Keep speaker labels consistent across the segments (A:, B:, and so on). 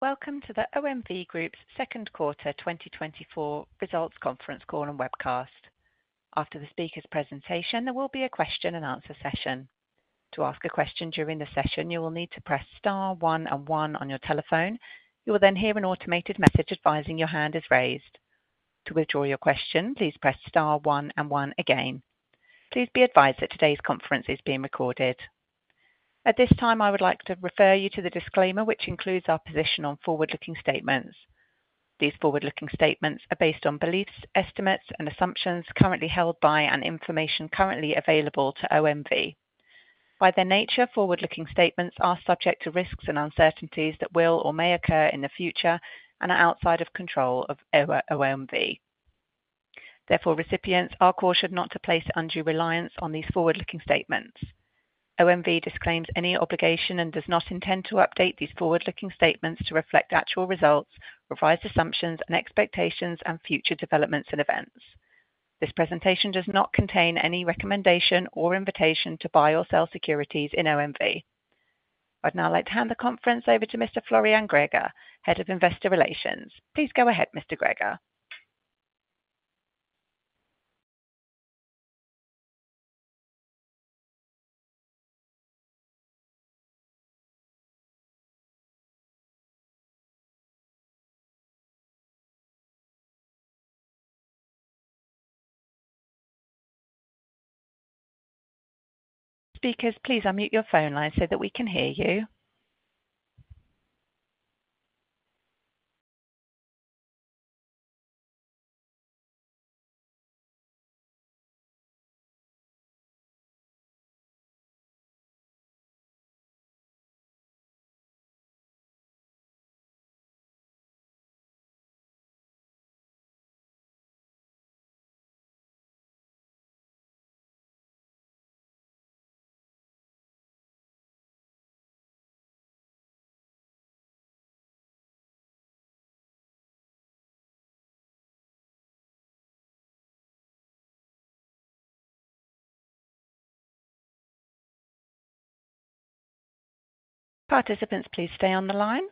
A: Welcome to the OMV Group's Second Quarter 2024 Results Conference Call and Webcast. After the speaker's presentation, there will be a question and answer session. To ask a question during the session, you will need to press star one and one on your telephone. You will then hear an automated message advising your hand is raised. To withdraw your question, please press star one and one again. Please be advised that today's conference is being recorded. At this time, I would like to refer you to the disclaimer, which includes our position on forward-looking statements. These forward-looking statements are based on beliefs, estimates, and assumptions currently held by, and information currently available to OMV. By their nature, forward-looking statements are subject to risks and uncertainties that will or may occur in the future and are outside of control of OMV. Therefore, recipients are cautioned not to place undue reliance on these forward-looking statements. OMV disclaims any obligation and does not intend to update these forward-looking statements to reflect actual results, revised assumptions and expectations and future developments and events. This presentation does not contain any recommendation or invitation to buy or sell securities in OMV. I'd now like to hand the conference over to Mr. Florian Greger, Head of Investor Relations. Please go ahead, Mr. Greger. Speakers, please unmute your phone line so that we can hear you. Participants, please stay on the line.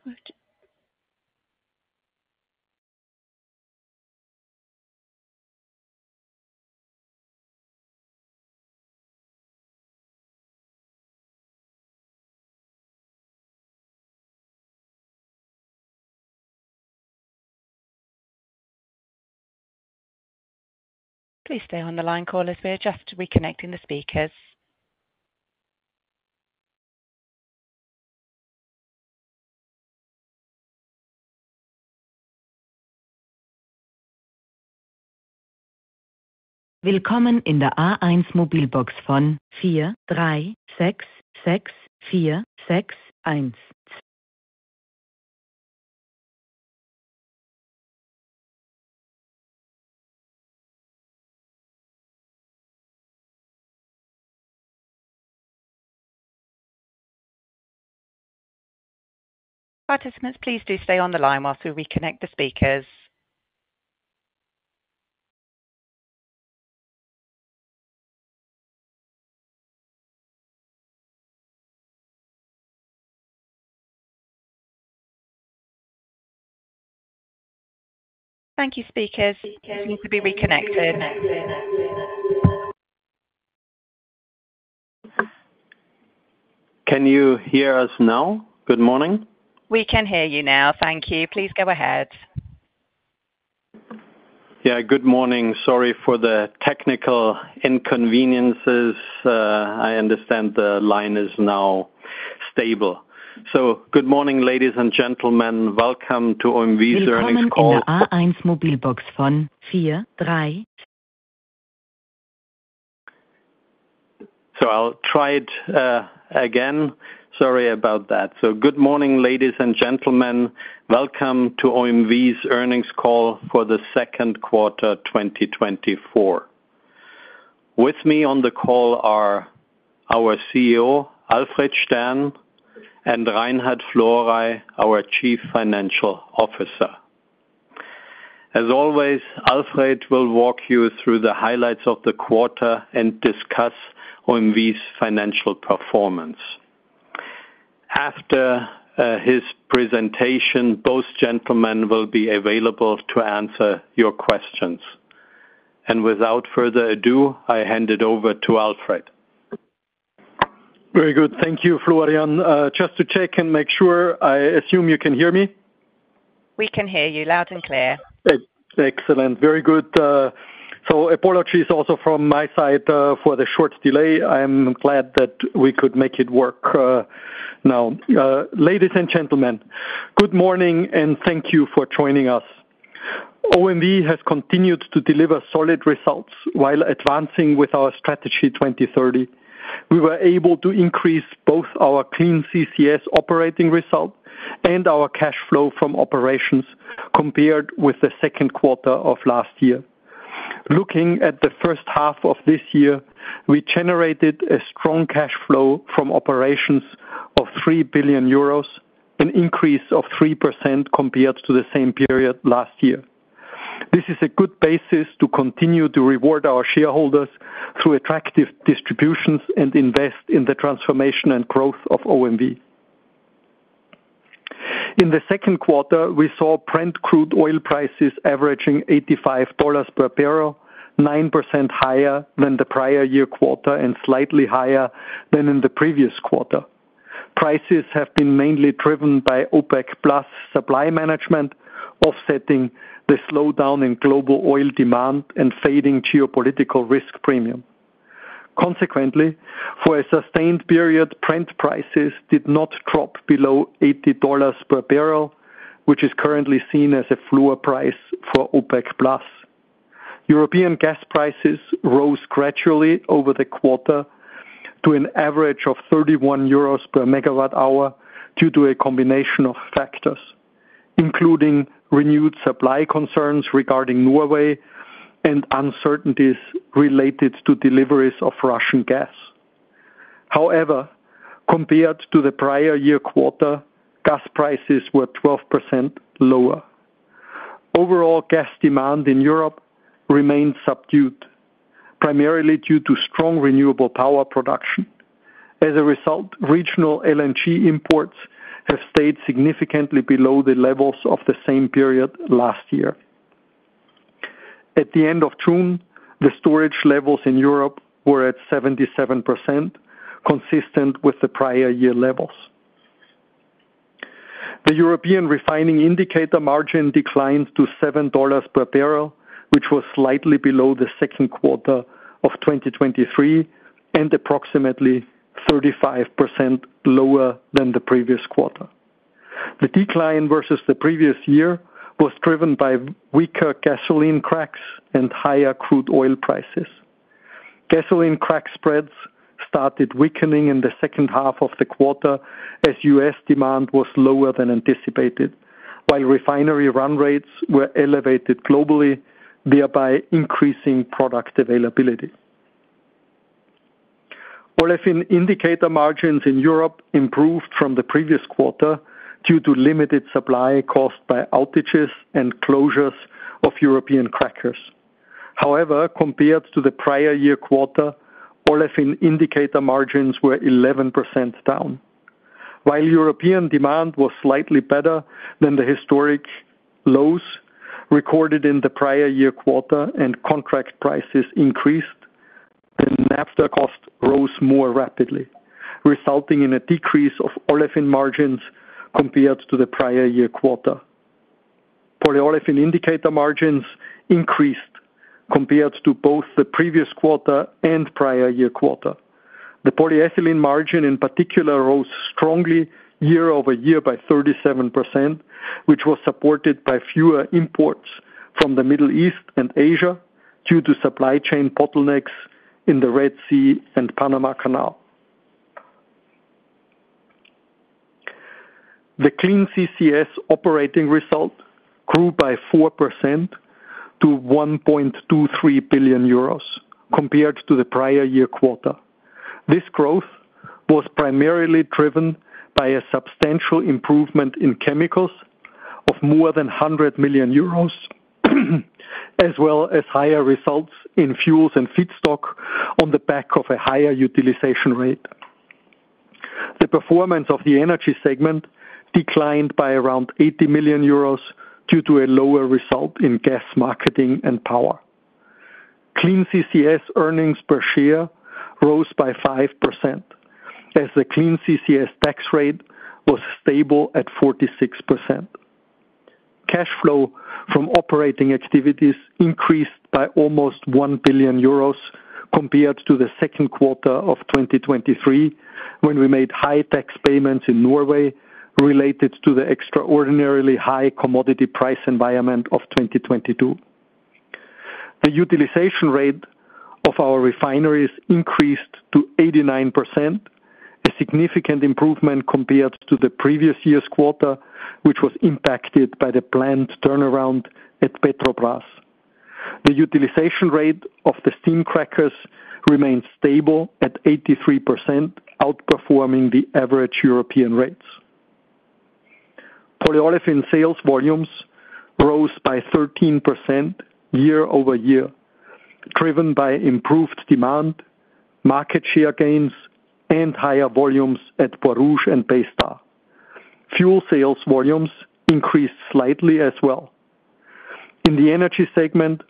A: Please stay on the line, callers. We are just reconnecting the speakers. Participants, please do stay on the line while we reconnect the speakers. Thank you, speakers. You can be reconnected.
B: Can you hear us now? Good morning.
A: We can hear you now. Thank you. Please go ahead.
B: Yeah, good morning. Sorry for the technical inconveniences. I understand the line is now stable. So good morning, ladies and gentlemen. Welcome to OMV's- I'll try it again. Sorry about that. Good morning, ladies and gentlemen. Welcome to OMV's earnings call for the second quarter, 2024. With me on the call are our CEO, Alfred Stern, and Reinhard Florey, our Chief Financial Officer. As always, Alfred will walk you through the highlights of the quarter and discuss OMV's financial performance. After his presentation, both gentlemen will be available to answer your questions. And without further ado, I hand it over to Alfred.
C: Very good. Thank you, Florian. Just to check and make sure, I assume you can hear me?
A: We can hear you loud and clear.
C: Excellent. Very good. So apologies also from my side for the short delay. I am glad that we could make it work now. Ladies and gentlemen, good morning, and thank you for joining us. OMV has continued to deliver solid results while advancing with our Strategy 2030. We were able to increase both our Clean CCS operating result and our cash flow from operations compared with the second quarter of last year. Looking at the first half of this year, we generated a strong cash flow from operations of 3 billion euros, an increase of 3% compared to the same period last year.... This is a good basis to continue to reward our shareholders through attractive distributions and invest in the transformation and growth of OMV. In the second quarter, we saw Brent crude oil prices averaging $85 per barrel, 9% higher than the prior year quarter, and slightly higher than in the previous quarter. Prices have been mainly driven by OPEC+ supply management, offsetting the slowdown in global oil demand and fading geopolitical risk premium. Consequently, for a sustained period, Brent prices did not drop below $80 per barrel, which is currently seen as a floor price for OPEC+. European gas prices rose gradually over the quarter to an average of 31 euros per MWh, due to a combination of factors, including renewed supply concerns regarding Norway and uncertainties related to deliveries of Russian gas. However, compared to the prior year quarter, gas prices were 12% lower. Overall, gas demand in Europe remained subdued, primarily due to strong renewable power production. As a result, regional LNG imports have stayed significantly below the levels of the same period last year. At the end of June, the storage levels in Europe were at 77%, consistent with the prior year levels. The European refining indicator margin declined to $7 per barrel, which was slightly below the second quarter of 2023, and approximately 35% lower than the previous quarter. The decline versus the previous year was driven by weaker gasoline cracks and higher crude oil prices. Gasoline crack spreads started weakening in the second half of the quarter, as U.S. demand was lower than anticipated, while refinery run rates were elevated globally, thereby increasing product availability. Olefin indicator margins in Europe improved from the previous quarter due to limited supply caused by outages and closures of European crackers. However, compared to the prior year quarter, olefin indicator margins were 11% down. While European demand was slightly better than the historic lows recorded in the prior year quarter and contract prices increased, the naphtha cost rose more rapidly, resulting in a decrease of olefin margins compared to the prior year quarter. Polyolefin indicator margins increased compared to both the previous quarter and prior year quarter. The polyethylene margin in particular, rose strongly year-over-year by 37%, which was supported by fewer imports from the Middle East and Asia due to supply chain bottlenecks in the Red Sea and Panama Canal. The Clean CCS operating result grew by 4% to 1.23 billion euros compared to the prior year quarter. This growth was primarily driven by a substantial improvement in chemicals of more than 100 million euros, as well as higher results in fuels and feedstock on the back of a higher utilization rate. The performance of the energy segment declined by around 80 million euros due to a lower result in gas marketing and power. Clean CCS earnings per share rose by 5%, as the Clean CCS tax rate was stable at 46%. Cash flow from operating activities increased by almost 1 billion euros compared to the second quarter of 2023, when we made high tax payments in Norway related to the extraordinarily high commodity price environment of 2022. The utilization rate of our refineries increased to 89%, a significant improvement compared to the previous year's quarter, which was impacted by the planned turnaround at Petrobrazi. The utilization rate of the steam crackers remained stable at 83%, outperforming the average European rates. Polyolefin sales volumes rose by 13% year-over-year, driven by improved demand, market share gains, and higher volumes at Borouge and Baystar. Fuel sales volumes increased slightly as well. In the energy segment,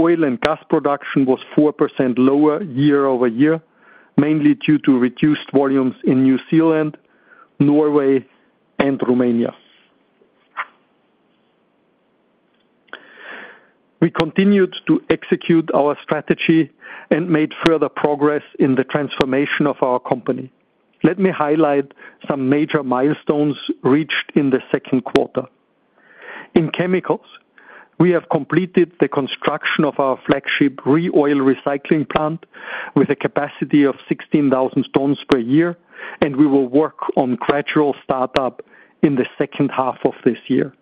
C: oil and gas production was 4% lower year-over-year, mainly due to reduced volumes in New Zealand, Norway, and Romania. We continued to execute our strategy and made further progress in the transformation of our company. Let me highlight some major milestones reached in the second quarter. In chemicals, we have completed the construction of our flagship ReOil recycling plant with a capacity of 16,000 tons per year, and we will work on gradual startup in the second half of this year.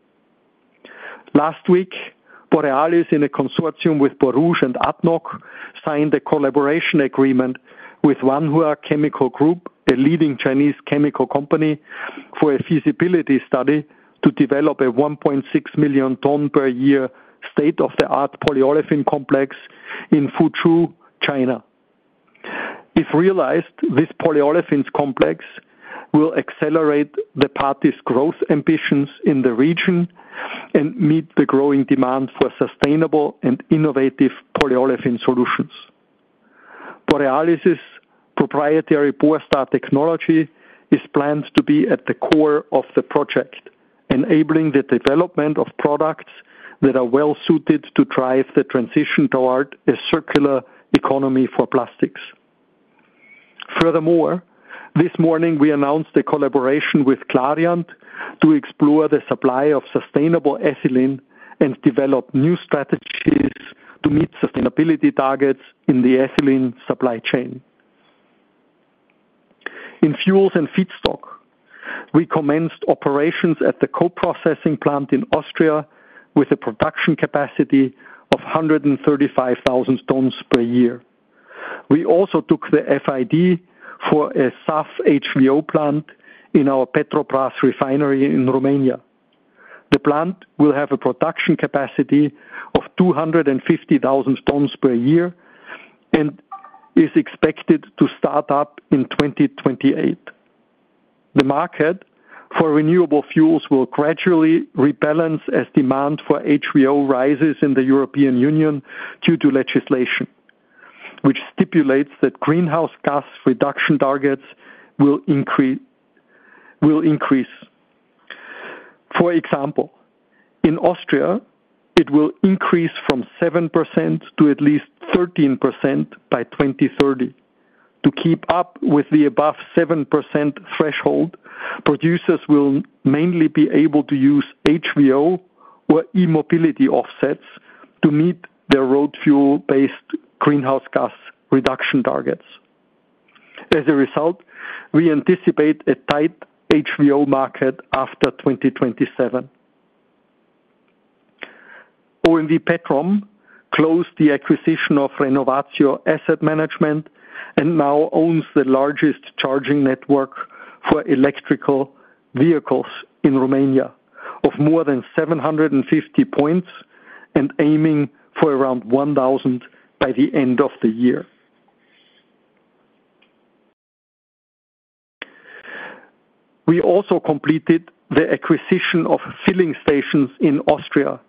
C: Last week, Borealis, in a consortium with Borouge and ADNOC, signed a collaboration agreement with Wanhua Chemical Group, a leading Chinese chemical company, for a feasibility study to develop a 1.6 million ton per year state-of-the-art polyolefin complex in Fuzhou, China. If realized, this polyolefins complex will accelerate the party's growth ambitions in the region and meet the growing demand for sustainable and innovative polyolefin solutions. Borealis's proprietary Borstar technology is planned to be at the core of the project, enabling the development of products that are well-suited to drive the transition toward a circular economy for plastics. Furthermore, this morning, we announced a collaboration with Clariant to explore the supply of sustainable ethylene and develop new strategies to meet sustainability targets in the ethylene supply chain. In fuels and feedstock, we commenced operations at the co-processing plant in Austria with a production capacity of 135,000 tons per year. We also took the FID for a SAF HVO plant in our Petrobrazi refinery in Romania. The plant will have a production capacity of 250,000 tons per year, and is expected to start up in 2028. The market for renewable fuels will gradually rebalance as demand for HVO rises in the European Union due to legislation, which stipulates that greenhouse gas reduction targets will increase. For example, in Austria, it will increase from 7% to at least 13% by 2030. To keep up with the above 7% threshold, producers will mainly be able to use HVO or e-mobility offsets to meet their road fuel-based greenhouse gas reduction targets. As a result, we anticipate a tight HVO market after 2027. OMV Petrom closed the acquisition of Renovatio Asset Management, and now owns the largest charging network for electrical vehicles in Romania, of more than 750 points, and aiming for around 1,000 by the end of the year. We also completed the acquisition of filling stations in Austria,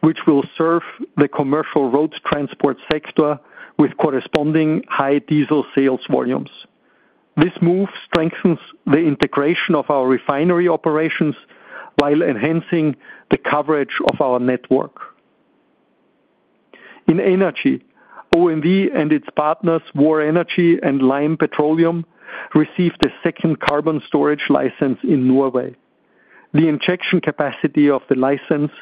C: which will serve the commercial roads transport sector with corresponding high diesel sales volumes. This move strengthens the integration of our refinery operations while enhancing the coverage of our network. In energy, OMV and its partners, Vår Energi and Lime Petroleum, received a second carbon storage license in Norway. The injection capacity of the license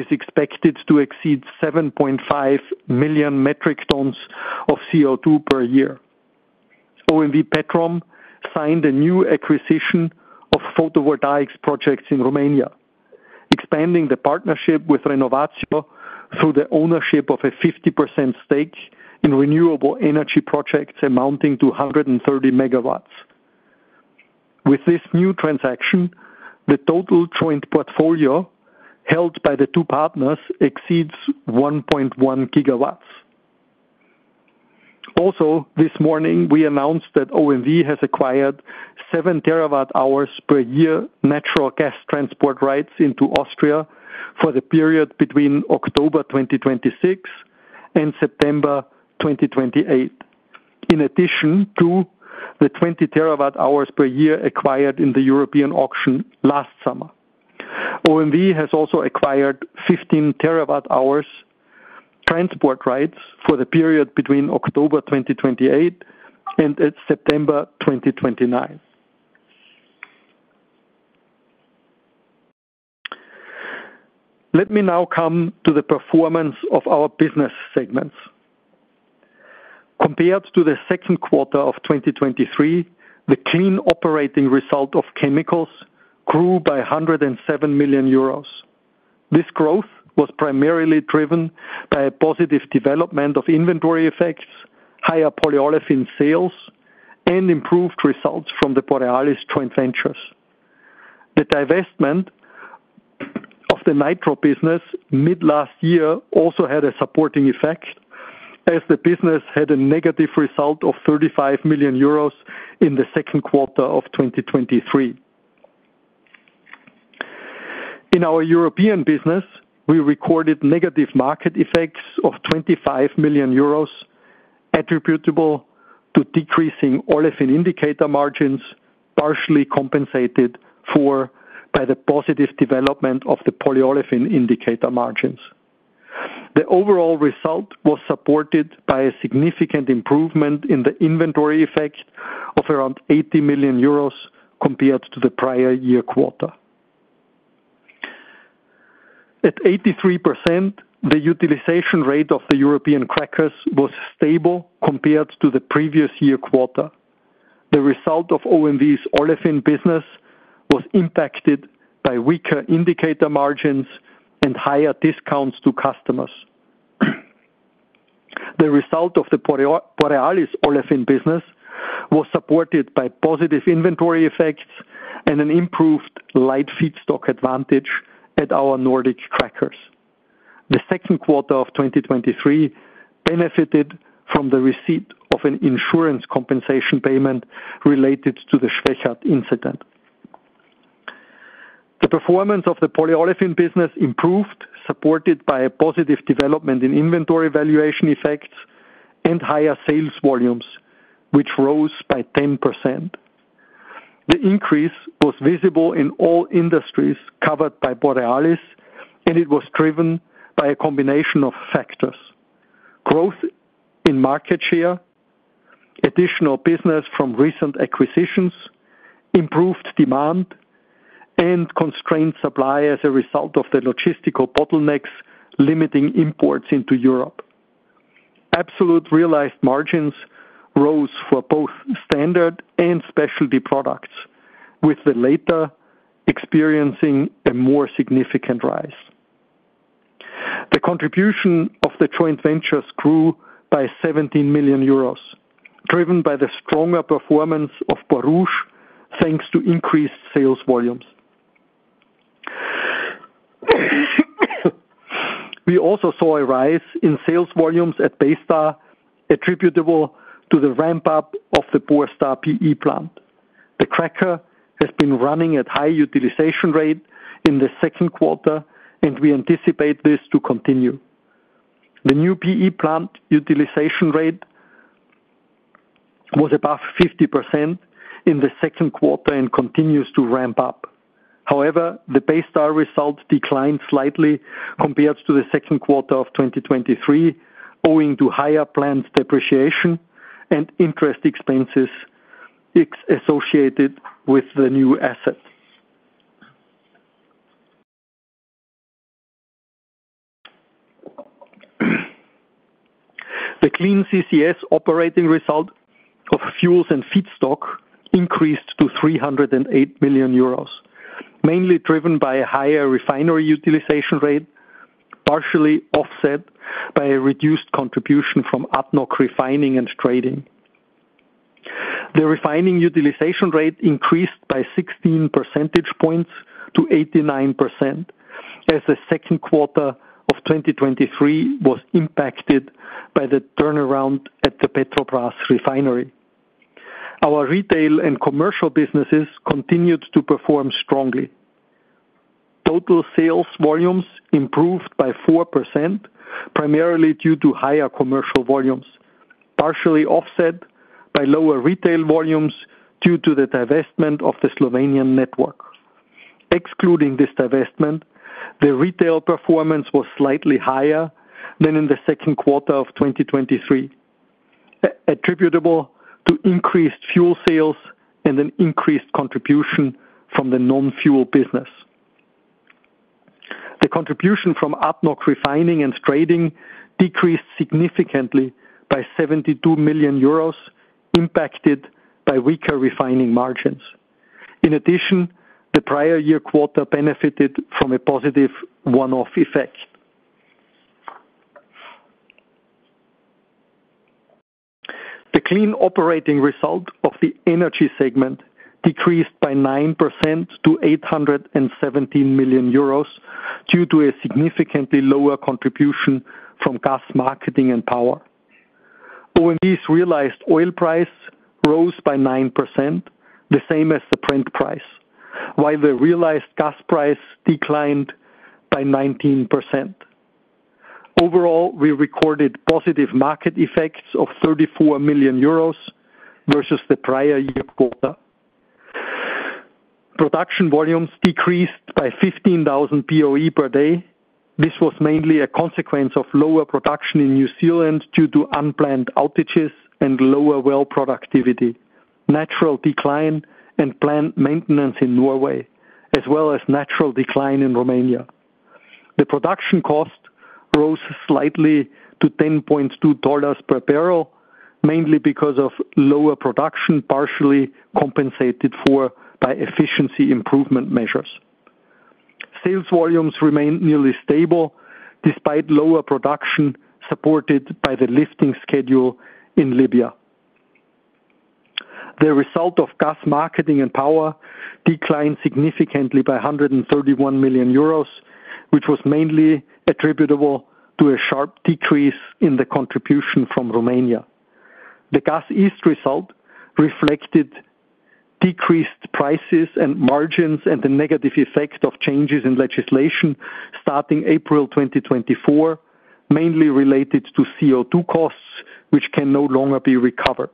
C: is expected to exceed 7.5 million metric tons of CO2 per year. OMV Petrom signed a new acquisition of photovoltaics projects in Romania, expanding the partnership with Renovatio through the ownership of a 50% stake in renewable energy projects amounting to 130 megawatts. With this new transaction, the total joint portfolio held by the two partners exceeds 1.1 gigawatts. Also, this morning, we announced that OMV has acquired 7 terawatt-hours per year natural gas transport rights into Austria for the period between October 2026 and September 2028. In addition to the 20 terawatt-hours per year acquired in the European auction last summer. OMV has also acquired 15 terawatt-hours transport rights for the period between October 2028 and September 2029. Let me now come to the performance of our business segments. Compared to the second quarter of 2023, the clean operating result of chemicals grew by 107 million euros. This growth was primarily driven by a positive development of inventory effects, higher polyolefin sales, and improved results from the Borealis joint ventures. The divestment of the nitro business mid-last year also had a supporting effect, as the business had a negative result of 35 million euros in the second quarter of 2023. In our European business, we recorded negative market effects of 25 million euros, attributable to decreasing olefin indicator margins, partially compensated for by the positive development of the polyolefin indicator margins. The overall result was supported by a significant improvement in the inventory effect of around 80 million euros compared to the prior year quarter. At 83%, the utilization rate of the European crackers was stable compared to the previous year quarter... The result of OMV's olefin business was impacted by weaker indicator margins and higher discounts to customers. The result of the Borealis olefin business was supported by positive inventory effects and an improved light feedstock advantage at our Nordic crackers. The second quarter of 2023 benefited from the receipt of an insurance compensation payment related to the Schwechat incident. The performance of the polyolefin business improved, supported by a positive development in inventory valuation effects and higher sales volumes, which rose by 10%. The increase was visible in all industries covered by Borealis, and it was driven by a combination of factors: growth in market share, additional business from recent acquisitions, improved demand, and constrained supply as a result of the logistical bottlenecks limiting imports into Europe. Absolute realized margins rose for both standard and specialty products, with the latter experiencing a more significant rise. The contribution of the joint ventures grew by 17 million euros, driven by the stronger performance of Borouge, thanks to increased sales volumes. We also saw a rise in sales volumes at Baystar, attributable to the ramp-up of the Borstar PE plant. The cracker has been running at high utilization rate in the second quarter, and we anticipate this to continue. The new PE plant utilization rate was above 50% in the second quarter and continues to ramp up. However, the Baystar results declined slightly compared to the second quarter of 2023, owing to higher plant depreciation and interest expenses associated with the new asset. The clean CCS operating result of fuels and feedstock increased to 308 million euros, mainly driven by a higher refinery utilization rate, partially offset by a reduced contribution from ADNOC Refining & Trading. The refining utilization rate increased by 16 percentage points to 89%, as the second quarter of 2023 was impacted by the turnaround at the Petrobrazi refinery. Our retail and commercial businesses continued to perform strongly. Total sales volumes improved by 4%, primarily due to higher commercial volumes, partially offset by lower retail volumes due to the divestment of the Slovenian network. Excluding this divestment, the retail performance was slightly higher than in the second quarter of 2023, attributable to increased fuel sales and an increased contribution from the non-fuel business. The contribution from ADNOC Refining & Trading decreased significantly by 72 million euros, impacted by weaker refining margins. In addition, the prior year quarter benefited from a positive one-off effect. The clean operating result of the energy segment decreased by 9% to 817 million euros, due to a significantly lower contribution from gas marketing and power. OMV's realized oil price rose by 9%, the same as the Brent price, while the realized gas price declined by 19%. Overall, we recorded positive market effects of 34 million euros versus the prior year quarter. Production volumes decreased by 15,000 BOE per day. This was mainly a consequence of lower production in New Zealand due to unplanned outages and lower well productivity, natural decline and plant maintenance in Norway, as well as natural decline in Romania. The production cost rose slightly to $10.2 per barrel, mainly because of lower production, partially compensated for by efficiency improvement measures. Sales volumes remained nearly stable, despite lower production supported by the lifting schedule in Libya. The result of gas marketing and power declined significantly by 131 million euros, which was mainly attributable to a sharp decrease in the contribution from Romania. The Gas East result reflected decreased prices and margins and the negative effect of changes in legislation starting April 2024, mainly related to CO2 costs, which can no longer be recovered.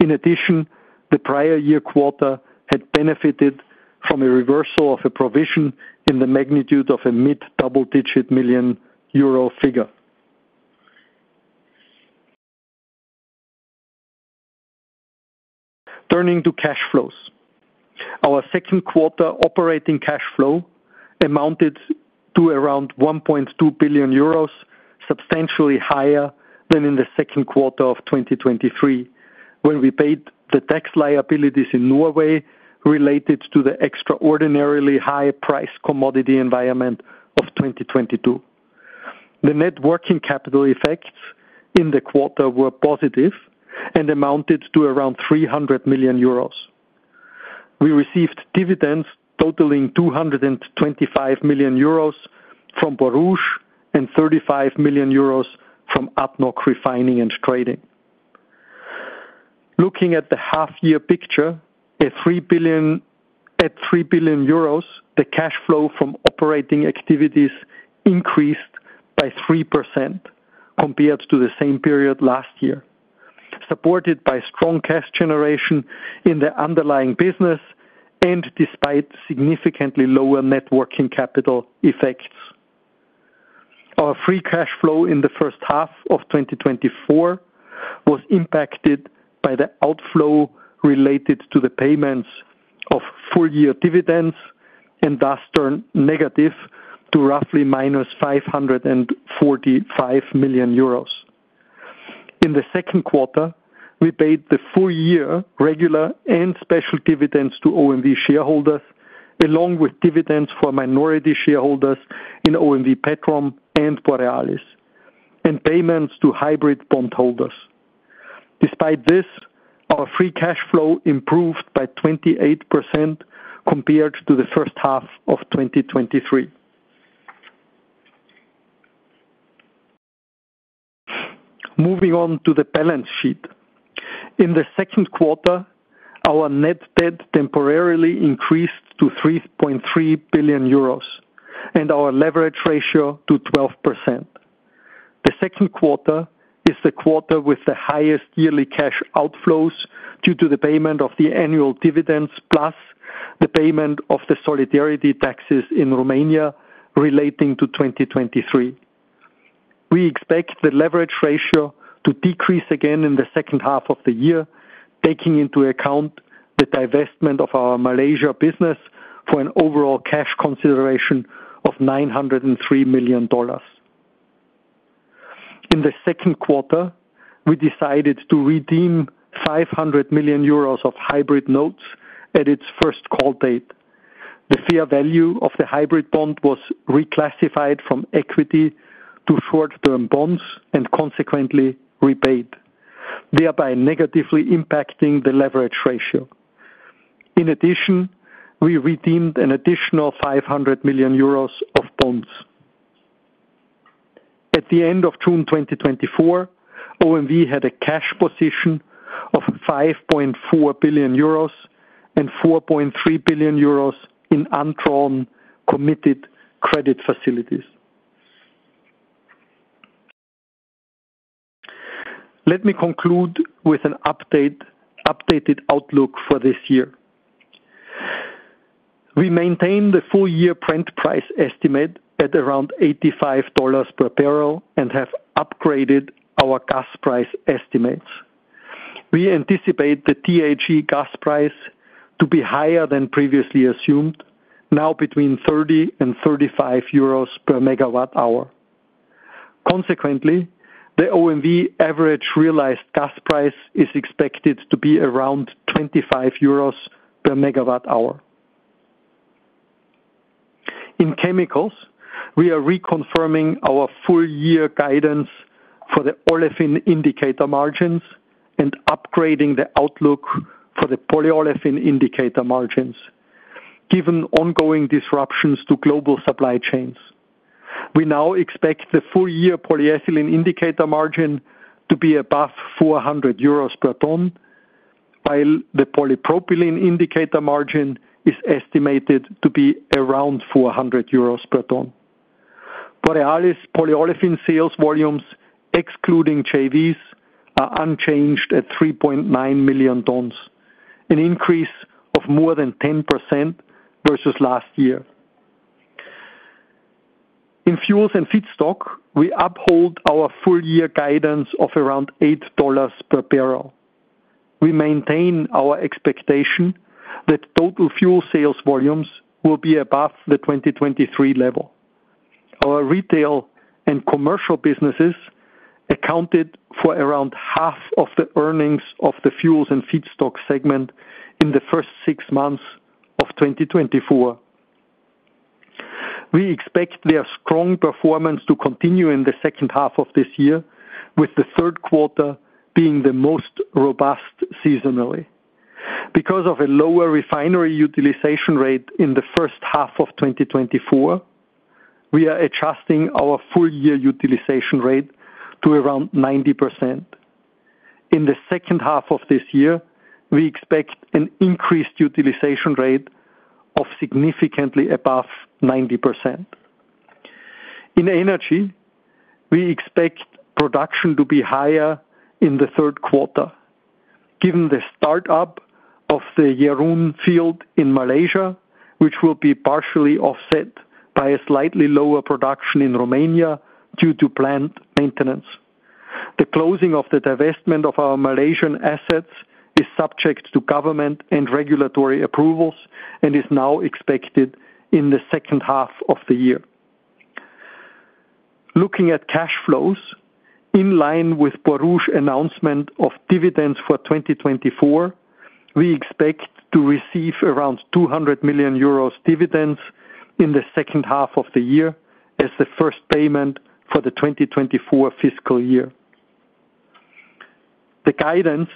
C: In addition, the prior year quarter had benefited from a reversal of a provision in the magnitude of a mid-double-digit million EUR figure. Turning to cash flows. Our second quarter operating cash flow amounted to around 1.2 billion euros, substantially higher than in the second quarter of 2023, when we paid the tax liabilities in Norway related to the extraordinarily high price commodity environment of 2022. The net working capital effects in the quarter were positive and amounted to around 300 million euros. We received dividends totaling 225 million euros from Borouge, and 35 million euros from ADNOC Refining & Trading. Looking at the half-year picture, at 3 billion euros, the cash flow from operating activities increased by 3% compared to the same period last year, supported by strong cash generation in the underlying business and despite significantly lower net working capital effects. Our free cash flow in the first half of 2024 was impacted by the outflow related to the payments of full-year dividends, and thus turned negative to roughly -545 million euros. In the second quarter, we paid the full-year regular and special dividends to OMV shareholders, along with dividends for minority shareholders in OMV, Petrom and Borealis, and payments to hybrid bondholders. Despite this, our free cash flow improved by 28% compared to the first half of 2023. Moving on to the balance sheet. In the second quarter, our net debt temporarily increased to 3.3 billion euros, and our leverage ratio to 12%. The second quarter is the quarter with the highest yearly cash outflows due to the payment of the annual dividends, plus the payment of the solidarity taxes in Romania relating to 2023. We expect the leverage ratio to decrease again in the second half of the year, taking into account the divestment of our Malaysia business for an overall cash consideration of $903 million. In the second quarter, we decided to redeem 500 million euros of hybrid notes at its first call date. The fair value of the hybrid bond was reclassified from equity to short-term bonds and consequently repaid, thereby negatively impacting the leverage ratio. In addition, we redeemed an additional 500 million euros of bonds. At the end of June 2024, OMV had a cash position of 5.4 billion euros and 4.3 billion euros in undrawn committed credit facilities. Let me conclude with an updated outlook for this year. We maintain the full-year Brent price estimate at around $85 per barrel and have upgraded our gas price estimates. We anticipate the THE gas price to be higher than previously assumed, now between 30 and 35 euros per megawatt hour. Consequently, the OMV average realized gas price is expected to be around 25 euros per MWh. In chemicals, we are reconfirming our full-year guidance for the olefin indicator margins and upgrading the outlook for the polyolefin indicator margins. Given ongoing disruptions to global supply chains, we now expect the full-year polyethylene indicator margin to be above 400 euros per ton, while the polypropylene indicator margin is estimated to be around 400 euros per ton. Borealis polyolefin sales volumes, excluding JVs, are unchanged at 3.9 million tons, an increase of more than 10% versus last year. In fuels and feedstock, we uphold our full-year guidance of around $8 per barrel. We maintain our expectation that total fuel sales volumes will be above the 2023 level. Our retail and commercial businesses accounted for around half of the earnings of the fuels and feedstock segment in the first six months of 2024. We expect their strong performance to continue in the second half of this year, with the third quarter being the most robust seasonally. Because of a lower refinery utilization rate in the first half of 2024, we are adjusting our full-year utilization rate to around 90%. In the second half of this year, we expect an increased utilization rate of significantly above 90%. In energy, we expect production to be higher in the third quarter, given the start-up of the Jerun field in Malaysia, which will be partially offset by a slightly lower production in Romania due to plant maintenance. The closing of the divestment of our Malaysian assets is subject to government and regulatory approvals and is now expected in the second half of the year. Looking at cash flows, in line with Borouge announcement of dividends for 2024, we expect to receive around 200 million euros dividends in the second half of the year, as the first payment for the 2024 fiscal year. The guidance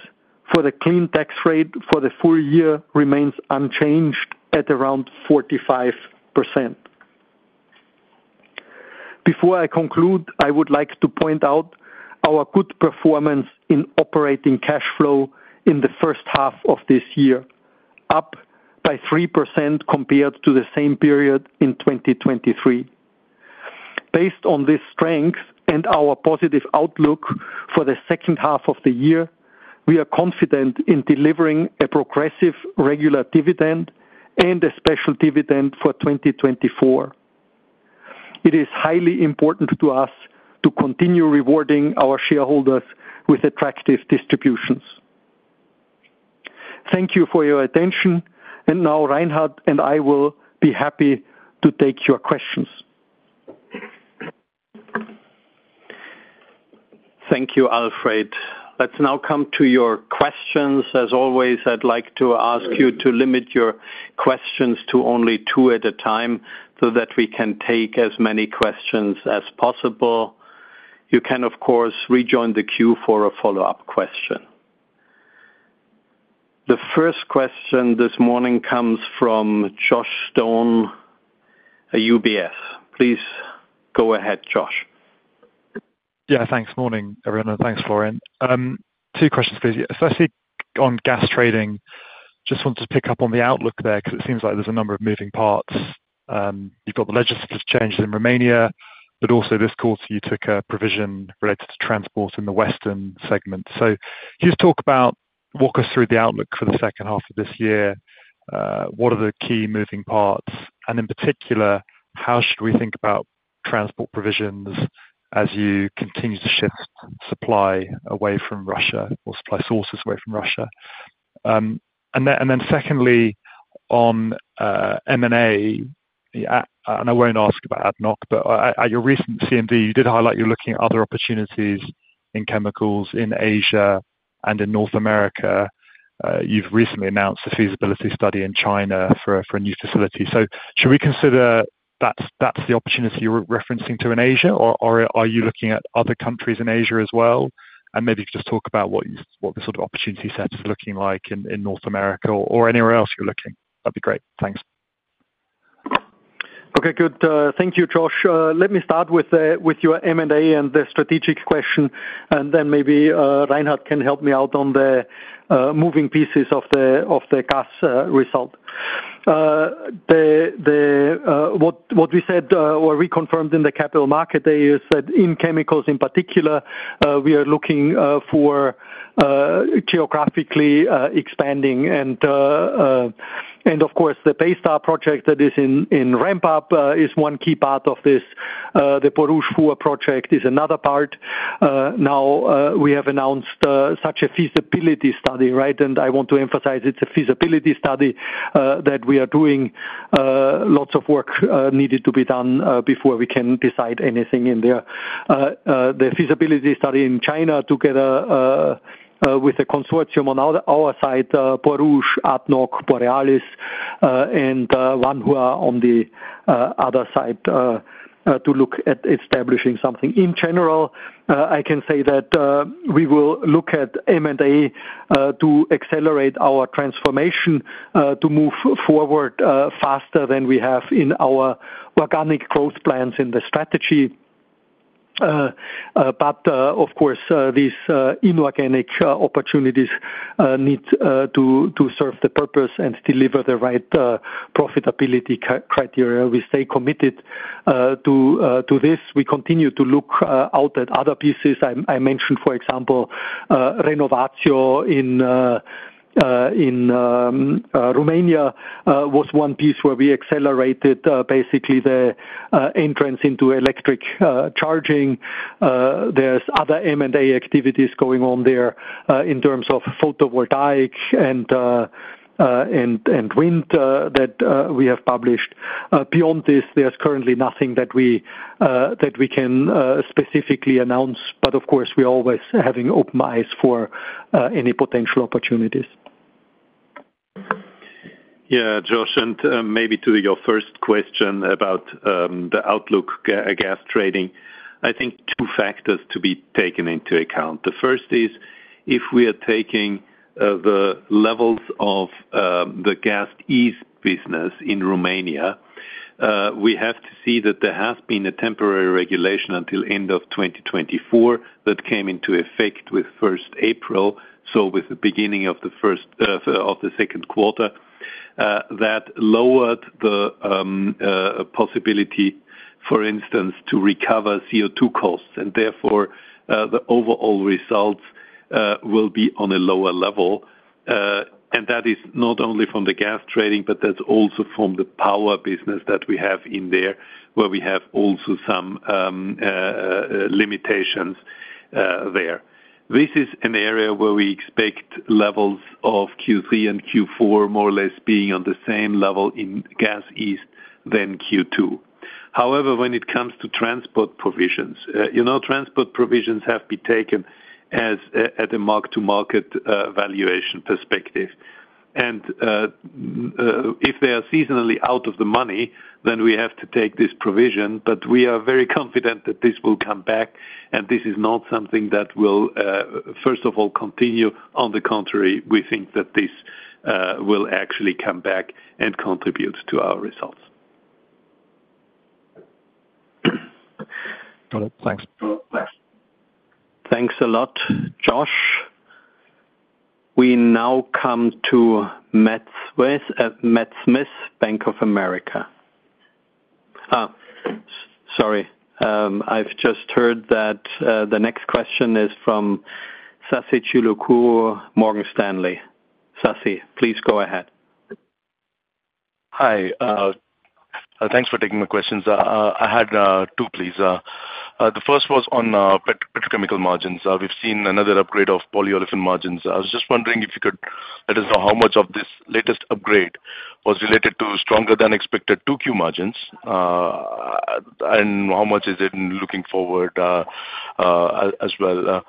C: for the clean tax rate for the full year remains unchanged at around 45%. Before I conclude, I would like to point out our good performance in operating cash flow in the first half of this year, up by 3% compared to the same period in 2023. Based on this strength and our positive outlook for the second half of the year, we are confident in delivering a progressive, regular dividend and a special dividend for 2024. It is highly important to us to continue rewarding our shareholders with attractive distributions. Thank you for your attention, and now Reinhard and I will be happy to take your questions.
D: Thank you, Alfred. Let's now come to your questions. As always, I'd like to ask you to limit your questions to only two at a time, so that we can take as many questions as possible. You can, of course, rejoin the queue for a follow-up question. The first question this morning comes from Josh Stone, at UBS. Please go ahead, Josh.
E: Yeah, thanks. Morning, everyone, and thanks, Florian. Two questions, please. Firstly, on gas trading, just want to pick up on the outlook there, because it seems like there's a number of moving parts. You've got the legislative changes in Romania, but also this quarter, you took a provision related to transport in the Western segment. So can you just talk about, walk us through the outlook for the second half of this year? What are the key moving parts, and in particular, how should we think about transport provisions as you continue to shift supply away from Russia or supply sources away from Russia? And secondly, on M&A, and I won't ask about ADNOC, but at your recent CMD, you did highlight you're looking at other opportunities in chemicals in Asia and in North America. You've recently announced a feasibility study in China for a new facility. So should we consider that's the opportunity you're referencing to in Asia, or are you looking at other countries in Asia as well? And maybe just talk about what the sort of opportunity set is looking like in North America or anywhere else you're looking. That'd be great. Thanks.
C: Okay, good, thank you, Josh. Let me start with your M&A and the strategic question, and then maybe Reinhard can help me out on the moving pieces of the gas result. What we said or reconfirmed in the capital market is that in chemicals in particular, we are looking for geographically expanding. And of course, the Borstar project that is in ramp up is one key part of this. The Borouge project is another part. Now, we have announced such a feasibility study, right? And I want to emphasize it's a feasibility study that we are doing lots of work needed to be done before we can decide anything in there. The feasibility study in China, together, with the consortium on our side, Borouge, ADNOC, Borealis, and Wanhua on the other side, to look at establishing something. In general, I can say that we will look at M&A to accelerate our transformation to move forward faster than we have in our organic growth plans in the strategy. But, of course, these inorganic opportunities need to serve the purpose and deliver the right profitability criteria. We stay committed to this. We continue to look out at other pieces. I mentioned, for example, Renovatio in Romania was one piece where we accelerated basically the entrance into electric charging. There's other M&A activities going on there, in terms of photovoltaic and wind, that we have published. Beyond this, there's currently nothing that we can specifically announce, but of course, we're always having open eyes for any potential opportunities.
D: Yeah, Josh, and maybe to your first question about the outlook gas trading, I think two factors to be taken into account. The first is, if we are taking the levels of the Gas East business in Romania, we have to see that there has been a temporary regulation until end of 2024, that came into effect with first April, so with the beginning of the second quarter, that lowered the possibility, for instance, to recover CO2 costs, and therefore, the overall results- ...
C: will be on a lower level, and that is not only from the gas trading, but that's also from the power business that we have in there, where we have also some limitations there. This is an area where we expect levels of Q3 and Q4 more or less being on the same level in Gas East than Q2. However, when it comes to transport provisions, you know, transport provisions have been taken as at a mark-to-market valuation perspective. And if they are seasonally out of the money, then we have to take this provision, but we are very confident that this will come back, and this is not something that will first of all continue. On the contrary, we think that this will actually come back and contribute to our results.
E: Thanks.
C: Thanks a lot, Josh. We now come to Matt Smith, Matt Smith, Bank of America. Sorry, I've just heard that the next question is from Sasi Chilukuri, Morgan Stanley. Sasi, please go ahead.
F: Hi, thanks for taking my questions. I had two, please. The first was on petrochemical margins. We've seen another upgrade of polyolefin margins. I was just wondering if you could let us know how much of this latest upgrade was related to stronger than expected 2Q margins, and how much is it in looking forward, as well?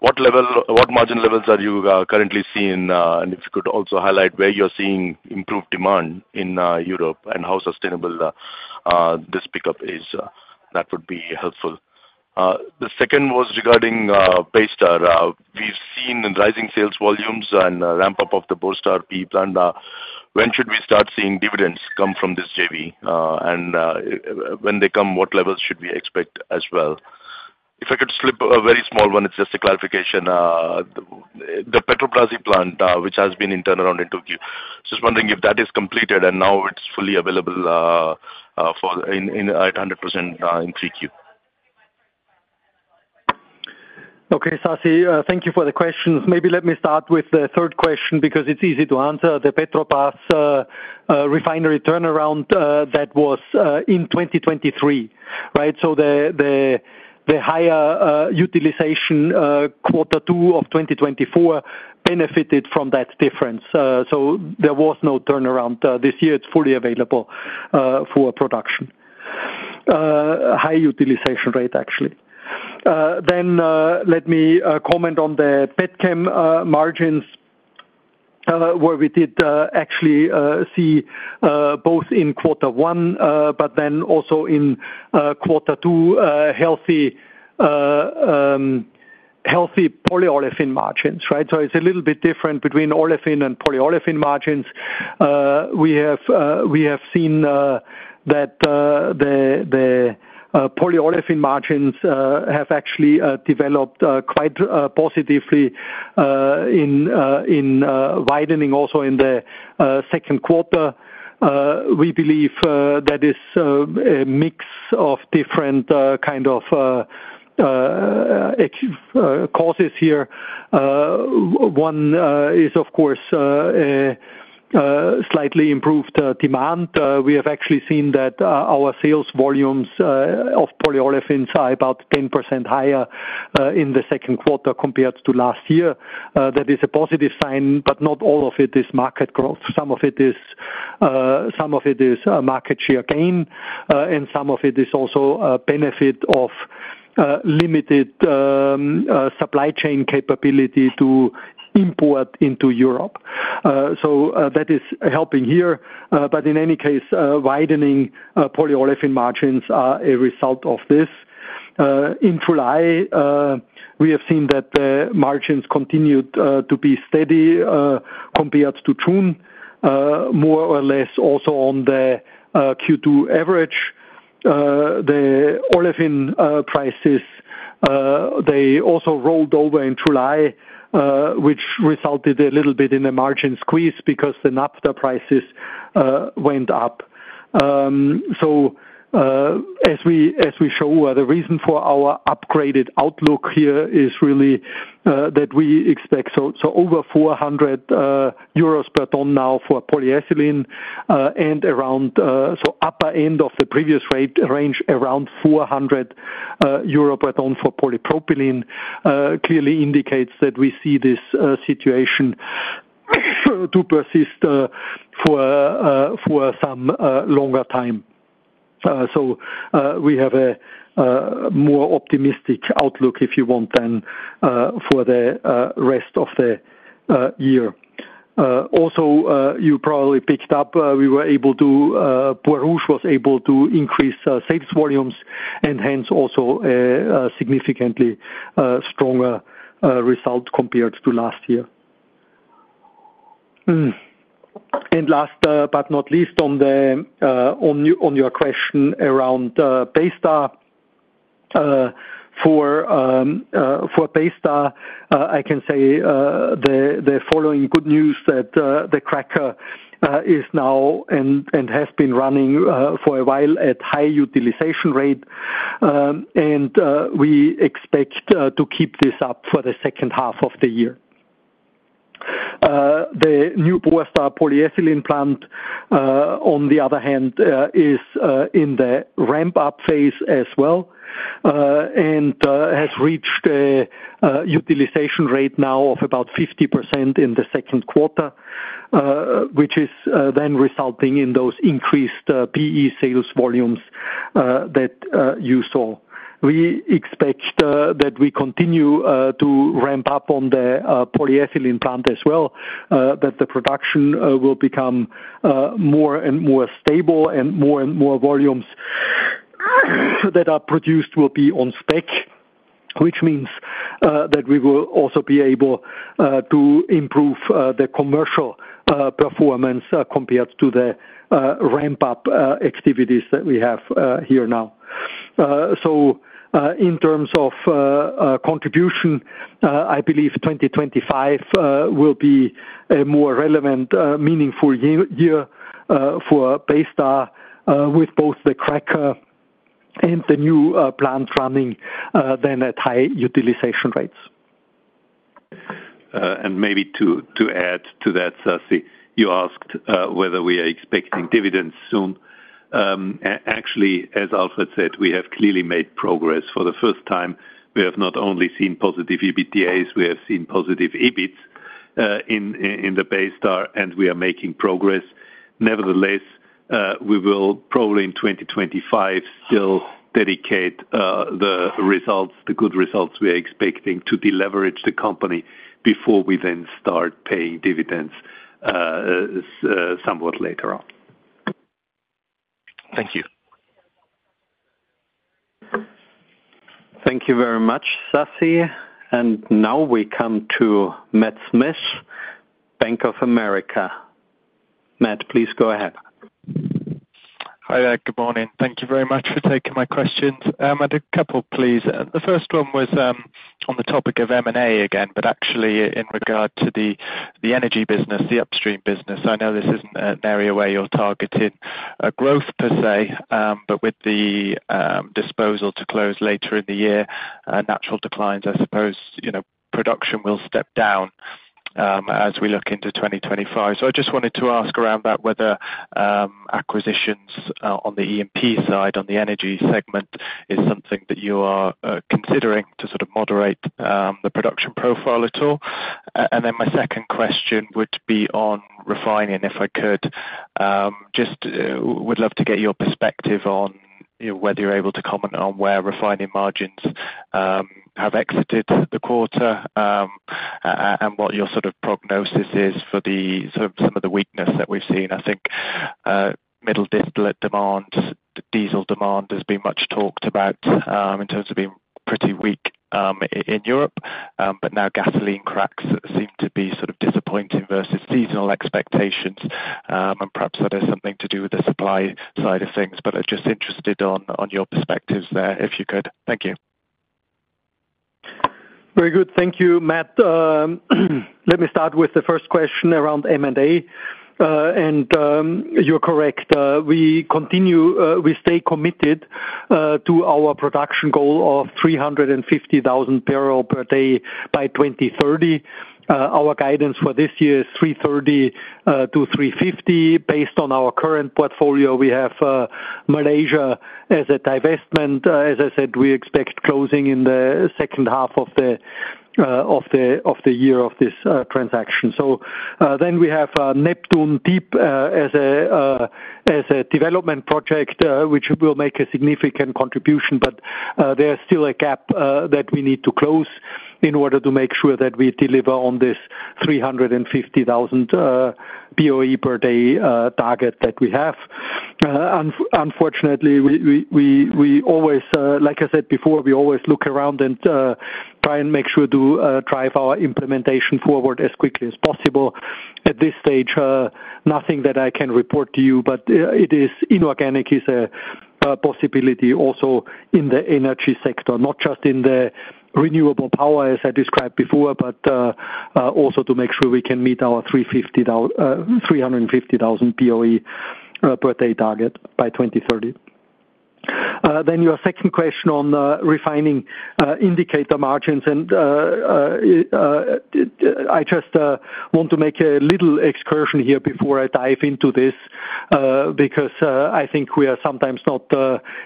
F: What level-what margin levels are you currently seeing? And if you could also highlight where you're seeing improved demand in Europe, and how sustainable this pickup is, that would be helpful. The second was regarding Borstar. We've seen rising sales volumes and a ramp-up of the Borstar PP plant. When should we start seeing dividends come from this JV? When they come, what levels should we expect as well? If I could slip a very small one, it's just a clarification. The Petrobrazi plant, which has been in turnaround in 2Q. Just wondering if that is completed, and now it's fully available, for in in at 100%, in 3Q.
C: Okay, Sasi, thank you for the questions. Maybe let me start with the third question, because it's easy to answer. The Petrobrazi refinery turnaround, that was in 2023, right? So the higher utilization quarter two of 2024 benefited from that difference. So there was no turnaround this year, it's fully available for production. High utilization rate, actually. Then let me comment on the petchem margins, where we did actually see both in quarter one, but then also in quarter two, healthy polyolefin margins, right? So it's a little bit different between olefin and polyolefin margins. We have seen that the polyolefin margins have actually developed quite positively in widening also in the second quarter. We believe that is a mix of different kind of causes here. One is, of course, slightly improved demand. We have actually seen that our sales volumes of polyolefins are about 10% higher in the second quarter compared to last year. That is a positive sign, but not all of it is market growth. Some of it is market share gain, and some of it is also a benefit of limited supply chain capability to import into Europe. So, that is helping here, but in any case, widening polyolefin margins are a result of this. In July, we have seen that the margins continued to be steady, compared to June, more or less also on the Q2 average. The olefin prices, they also rolled over in July, which resulted a little bit in a margin squeeze because the naphtha prices went up. So, as we show, the reason for our upgraded outlook here is really that we expect over 400 euros per ton now for polyethylene and around the upper end of the previous range, around 400 euro per ton for polypropylene, clearly indicates that we see this situation to persist for some longer time. So we have a more optimistic outlook, if you want, for the rest of the year. Also, you probably picked up, Borouge was able to increase sales volumes and hence also significantly stronger result compared to last year. And last but not least, on your question around Borstar. For Borstar, I can say the following good news that the cracker is now and has been running for a while at high utilization rate, and we expect to keep this up for the second half of the year. The new Baystar polyethylene plant, on the other hand, is in the ramp up phase as well, and has reached a utilization rate now of about 50% in the second quarter, which is then resulting in those increased PE sales volumes that you saw. We expect that we continue to ramp up on the polyethylene plant as well, that the production will become more and more stable, and more and more volumes that are produced will be on spec. Which means that we will also be able to improve the commercial performance compared to the ramp up activities that we have here now. So, in terms of contribution, I believe 2025 will be a more relevant meaningful year, year for Baystar, with both the cracker and the new plant running then at high utilization rates.
D: And maybe to add to that, Sasi, you asked whether we are expecting dividends soon. Actually, as Alfred said, we have clearly made progress. For the first time, we have not only seen positive EBITDA, we have seen positive EBIT in the Baystar, and we are making progress. Nevertheless, we will probably in 2025 still dedicate the results, the good results we are expecting, to deleverage the company before we then start paying dividends somewhat later on.
F: Thank you.
B: Thank you very much, Sasi. And now we come to Matt Smith, Bank of America. Matt, please go ahead.
G: Hi there. Good morning. Thank you very much for taking my questions. I had a couple, please. The first one was on the topic of M&A again, but actually in regard to the energy business, the upstream business. I know this isn't an area where you're targeting growth per se, but with the disposal to close later in the year, natural declines, I suppose, you know, production will step down as we look into 2025. So I just wanted to ask around that whether acquisitions on the E&P side, on the energy segment, is something that you are considering to sort of moderate the production profile at all? And then my second question would be on refining, if I could. Just would love to get your perspective on, you know, whether you're able to comment on where refining margins have exited the quarter, and what your sort of prognosis is for the sort of, some of the weakness that we've seen. I think, middle distillate demand, diesel demand has been much talked about, in terms of being pretty weak, in Europe. But now gasoline cracks seem to be sort of disappointing versus seasonal expectations, and perhaps that has something to do with the supply side of things, but I'm just interested on, on your perspectives there, if you could. Thank you.
C: Very good. Thank you, Matt. Let me start with the first question around M&A. And, you're correct. We stay committed to our production goal of 350,000 barrel per day by 2030. Our guidance for this year is 330 to 350. Based on our current portfolio, we have Malaysia as a divestment. As I said, we expect closing in the second half of the year of this transaction. Then we have Neptun Deep as a development project, which will make a significant contribution, but there is still a gap that we need to close in order to make sure that we deliver on this 350,000 BOE per day target that we have. Unfortunately, we always, like I said before, we always look around and try and make sure to drive our implementation forward as quickly as possible. At this stage, nothing that I can report to you, but it is, inorganic is a possibility also in the energy sector, not just in the renewable power, as I described before, but also to make sure we can meet our 350,000 BOE per day target by 2030. Then your second question on refining indicator margins, and I just want to make a little excursion here before I dive into this, because I think we are sometimes not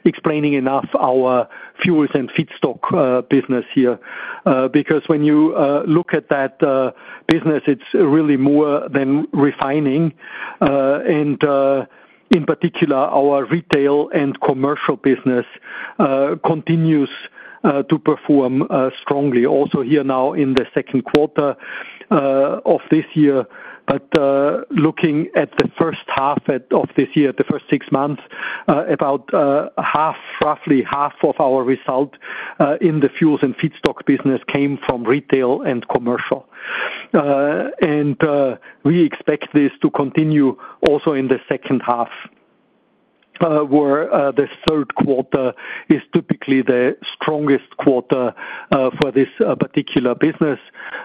C: explaining enough our fuels and feedstock business here. Because when you look at that business, it's really more than refining. And, in particular, our retail and commercial business continues to perform strongly, also here now in the second quarter of this year. But, looking at the first half of this year, the first six months, about, roughly half of our result in the fuels and feedstock business came from retail and commercial. And, we expect this to continue also in the second half, where the third quarter is typically the strongest quarter for this particular business.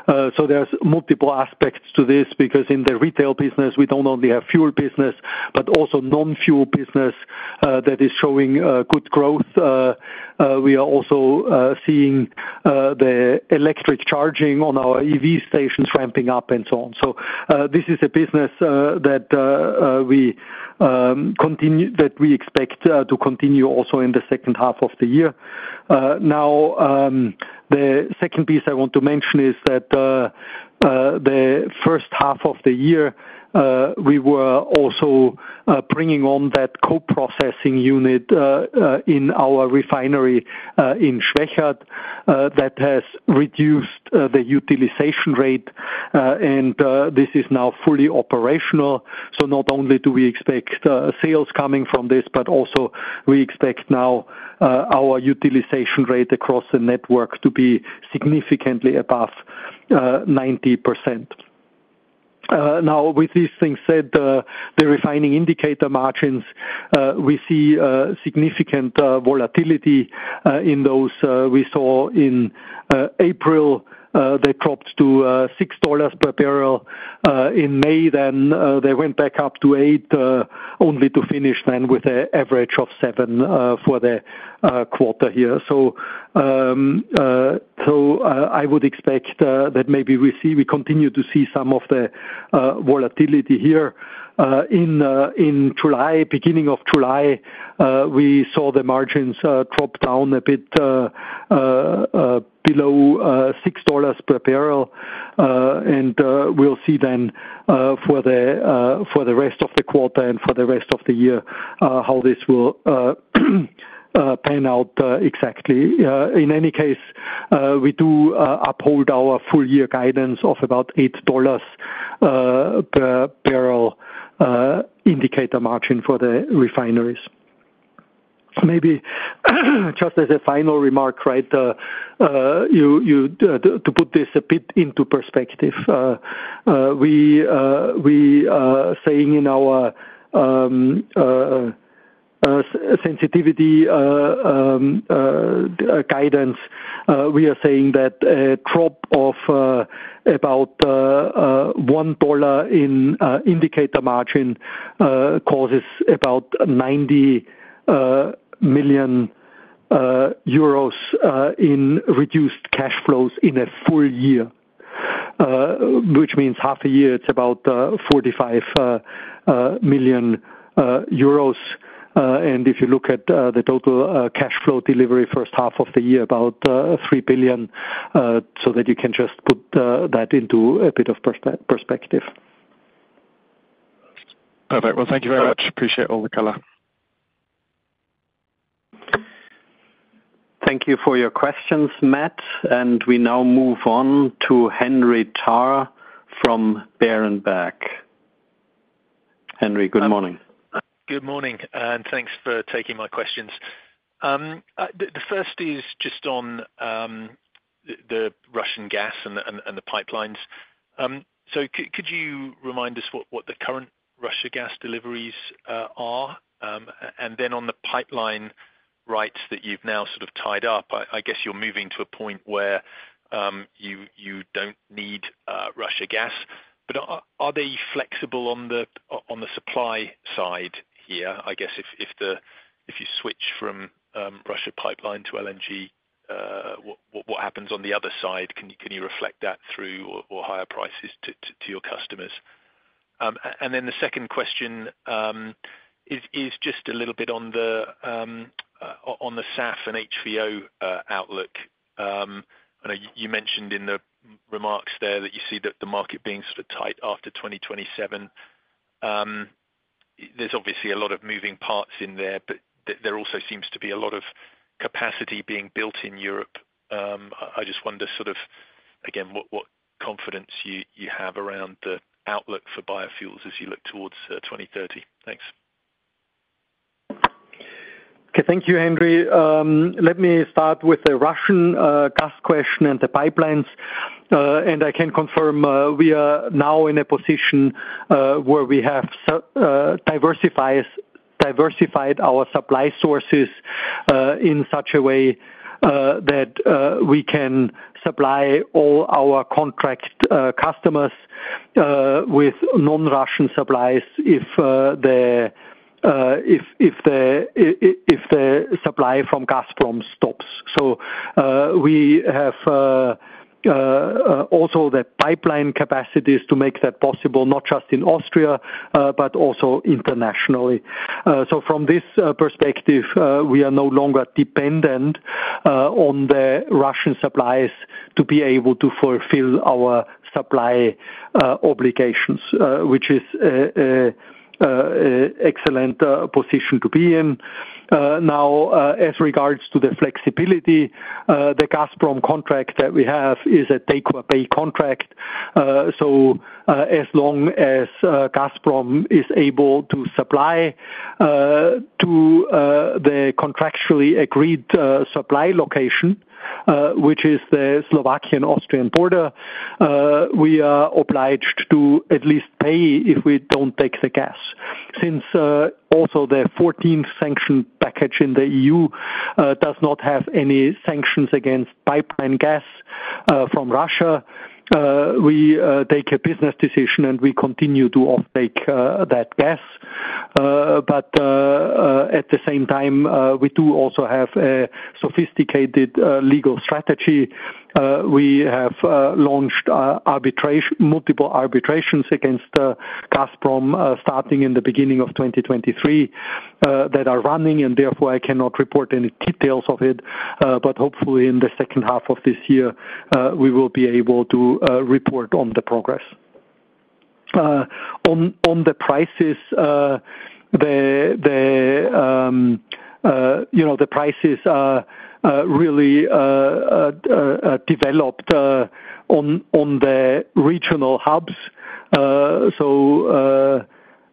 C: So there's multiple aspects to this, because in the retail business, we don't only have fuel business, but also non-fuel business... that is showing good growth. We are also seeing the electric charging on our EV stations ramping up, and so on. So, this is a business that we expect to continue also in the second half of the year. Now, the second piece I want to mention is that, the first half of the year, we were also bringing on that co-processing unit in our refinery in Schwechat that has reduced the utilization rate, and this is now fully operational. So not only do we expect sales coming from this, but also we expect now our utilization rate across the network to be significantly above 90%. Now, with these things said, the refining indicator margins we see significant volatility in those. We saw in April they dropped to $6 per barrel. In May, then, they went back up to 8, only to finish then with an average of 7 for the quarter here. So, I would expect that maybe we see- we continue to see some of the volatility here. In July, beginning of July, we saw the margins drop down a bit below $6 per barrel. And we'll see then for the rest of the quarter and for the rest of the year how this will pan out exactly. In any case, we do uphold our full year guidance of about $8 per barrel indicator margin for the refineries. Maybe just as a final remark, right, you to put this a bit into perspective, we saying in our sensitivity guidance, we are saying that a drop of about 1 dollar in indicator margin causes about EUR 90 million in reduced cash flows in a full year. Which means half a year, it's about 45 million euros. And if you look at the total cash flow delivery first half of the year, about 3 billion, so that you can just put that into a bit of perspective.
G: Perfect. Well, thank you very much. Appreciate all the color.
B: Thank you for your questions, Matt. We now move on to Henry Tarr from Berenberg. Henry, good morning.
H: Good morning, and thanks for taking my questions. The first is just on the Russian gas and the pipelines. So could you remind us what the current Russian gas deliveries are? And then on the pipeline rights that you've now sort of tied up, I guess you're moving to a point where you don't need Russian gas. But are they flexible on the supply side here? I guess if you switch from Russian pipeline to LNG, what happens on the other side? Can you reflect that through or higher prices to your customers? And then the second question is just a little bit on the SAF and HVO outlook. I know you mentioned in the remarks there that you see the market being sort of tight after 2027. There's obviously a lot of moving parts in there, but there also seems to be a lot of capacity being built in Europe. I just wonder sort of, again, what confidence you have around the outlook for biofuels as you look towards 2030? Thanks.
C: Okay, thank you, Henry. Let me start with the Russian gas question and the pipelines. And I can confirm, we are now in a position where we have diversified our supply sources in such a way that we can supply all our contract customers with non-Russian supplies if the supply from Gazprom stops. So, we have also the pipeline capacities to make that possible, not just in Austria, but also internationally. So from this perspective, we are no longer dependent on the Russian supplies to be able to fulfill our supply obligations, which is an excellent position to be in. Now, as regards to the flexibility, the Gazprom contract that we have is a take or pay contract. So, as long as Gazprom is able to supply to the contractually agreed supply location, which is the Slovakian-Austrian border, we are obliged to at least pay if we don't take the gas. Since also the fourteenth sanction package in the EU does not have any sanctions against pipeline gas from Russia, we take a business decision, and we continue to offtake that gas. But at the same time, we do also have a sophisticated legal strategy. We have launched multiple arbitrations against Gazprom, starting in the beginning of 2023, that are running, and therefore I cannot report any details of it. But hopefully in the second half of this year, we will be able to report on the progress. On the prices, you know, the prices are really developed on the regional hubs. So,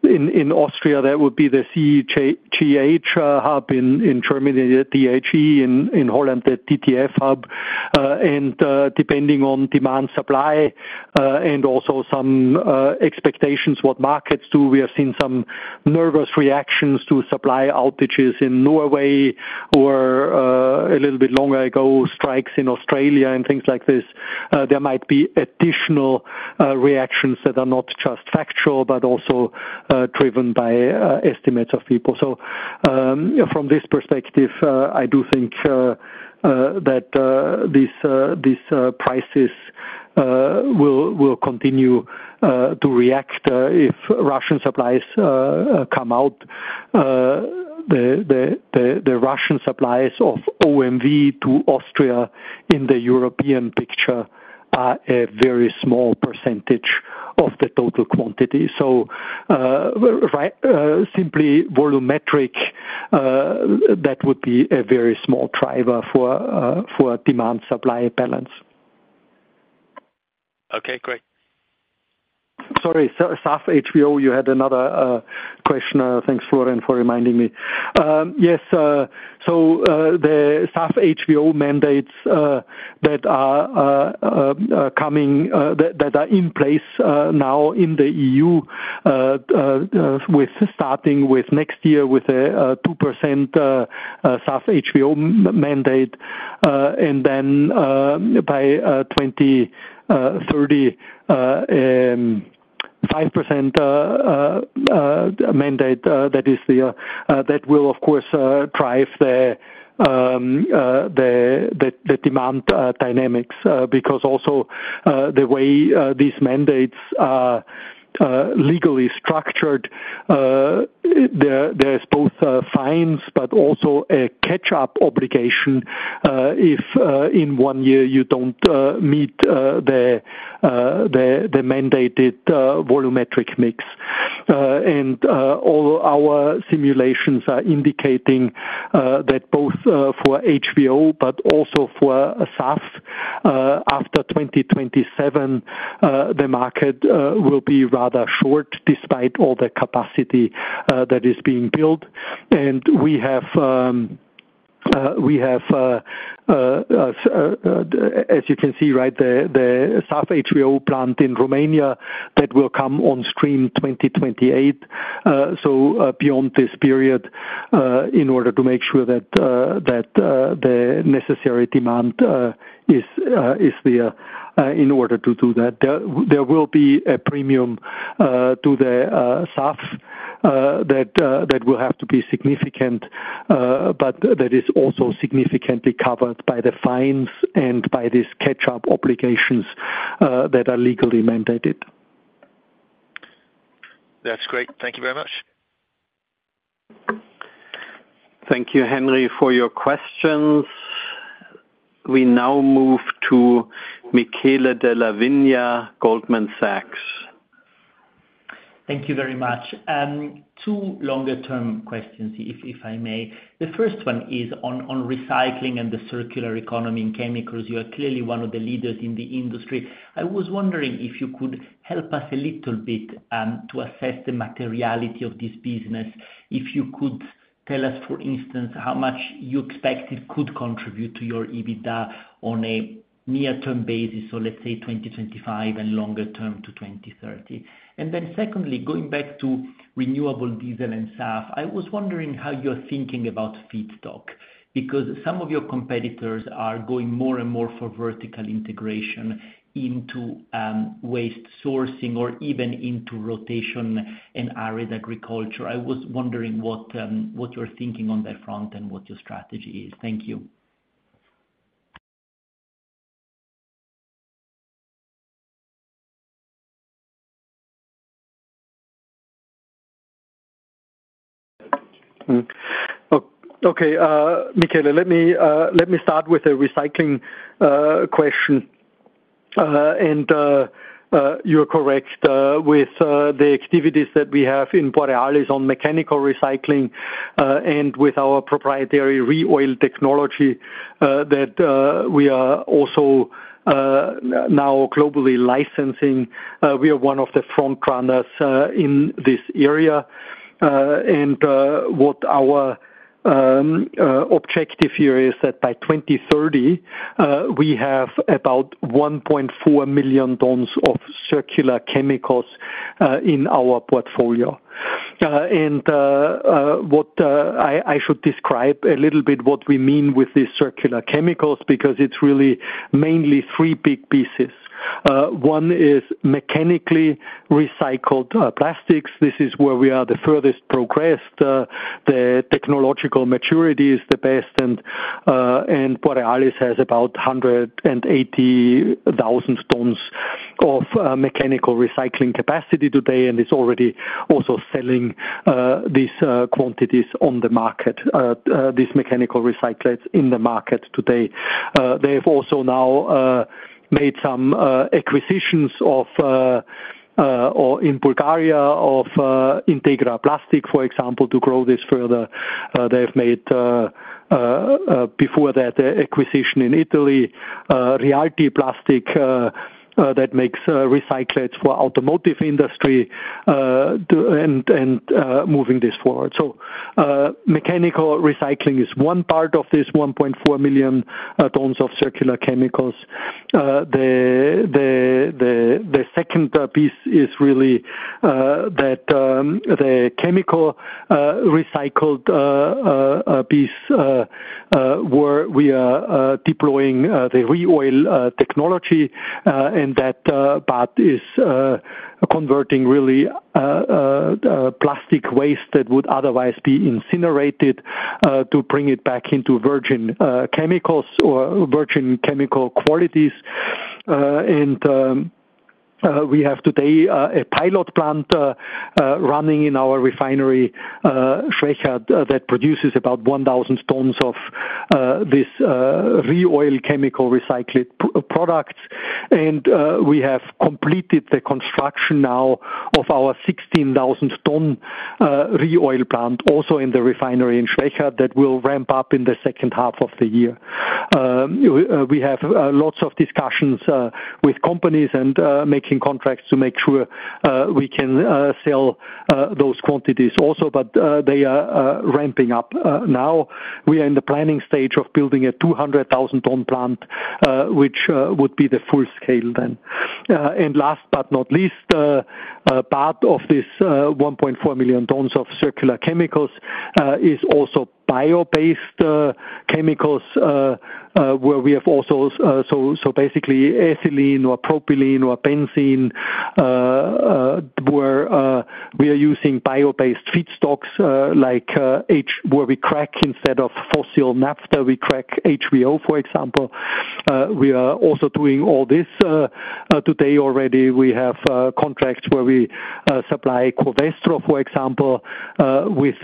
C: in Austria, that would be the CEGH hub, in Germany, the THE, in Holland, the TTF hub. And, depending on demand, supply, and also some expectations, what markets do, we are seeing some nervous reactions to supply outages in Norway, or, a little bit longer ago, strikes in Australia and things like this. There might be additional reactions that are not just factual, but also driven by estimates of people. So, from this perspective, I do think that these prices will continue to react if Russian supplies come out. The Russian supplies of OMV to Austria in the European picture are a very small percentage of the total quantity. So, simply volumetric, that would be a very small driver for demand, supply balance.
H: Okay, great.
C: Sorry, SAF HVO, you had another question. Thanks, Florian, for reminding me. Yes, so the SAF HVO mandates that are coming that are in place now in the EU with starting with next year with a 2% SAF HVO mandate and then by 2030 5% mandate that is the that will of course drive the demand dynamics. Because also the way these mandates are legally structured there there is both fines but also a catch-up obligation if in one year you don't meet the mandated volumetric mix. And all our simulations are indicating that both for HVO, but also for SAF, after 2027, the market will be rather short, despite all the capacity that is being built. And we have, as you can see, right, the SAF HVO plant in Romania, that will come on stream 2028. So beyond this period, in order to make sure that the necessary demand is there, in order to do that. There will be a premium to the SAF that will have to be significant, but that is also significantly covered by the fines and by this catch-up obligations that are legally mandated.
H: That's great. Thank you very much.
B: Thank you, Henry, for your questions. We now move to Michele Della Vigna, Goldman Sachs.
I: Thank you very much. Two longer-term questions, if I may. The first one is on recycling and the circular economy in chemicals. You are clearly one of the leaders in the industry. I was wondering if you could help us a little bit to assess the materiality of this business. If you could tell us, for instance, how much you expect it could contribute to your EBITDA on a near-term basis, so let's say 2025 and longer term to 2030. And then secondly, going back to renewable diesel and SAF, I was wondering how you're thinking about feedstock, because some of your competitors are going more and more for vertical integration into waste sourcing or even into rotation in arid agriculture. I was wondering what you're thinking on that front and what your strategy is. Thank you.
C: Okay, Michele, let me start with the recycling question. You're correct with the activities that we have in Borealis on mechanical recycling, and with our proprietary ReOil technology that we are also now globally licensing. We are one of the frontrunners in this area. And what our objective here is that by 2030, we have about 1.4 million tons of circular chemicals in our portfolio. And what I should describe a little bit what we mean with these circular chemicals, because it's really mainly three big pieces. One is mechanically recycled plastics. This is where we are the furthest progressed. The technological maturity is the best, and Borealis has about 180,000 tons of mechanical recycling capacity today, and is already also selling these quantities on the market, these mechanical recyclates in the market today. They have also now made some acquisitions of or in Bulgaria of Integra Plastics, for example, to grow this further. They've made before that, an acquisition in Italy, Rialti, that makes recyclates for automotive industry and moving this forward. So, mechanical recycling is one part of this 1.4 million tons of circular chemicals. The second piece is really that the chemical recycled piece where we are deploying the ReOil technology and that part is converting really plastic waste that would otherwise be incinerated to bring it back into virgin chemicals or virgin chemical qualities. We have today a pilot plant running in our refinery, Schwechat, that produces about 1,000 tons of this ReOil chemical recycled products. We have completed the construction now of our 16,000-ton ReOil plant, also in the refinery in Schwechat, that will ramp up in the second half of the year. We have lots of discussions with companies and making contracts to make sure we can sell those quantities also, but they are ramping up. Now we are in the planning stage of building a 200,000 ton plant, which would be the full scale then. And last but not least, a part of this 1.4 million tons of circular chemicals is also bio-based chemicals, where we have also, so basically ethylene or propylene or benzene, where we are using bio-based feedstocks, like where we crack instead of fossil naphtha, we crack HVO, for example. We are also doing all this today already. We have contracts where we supply Covestro, for example, with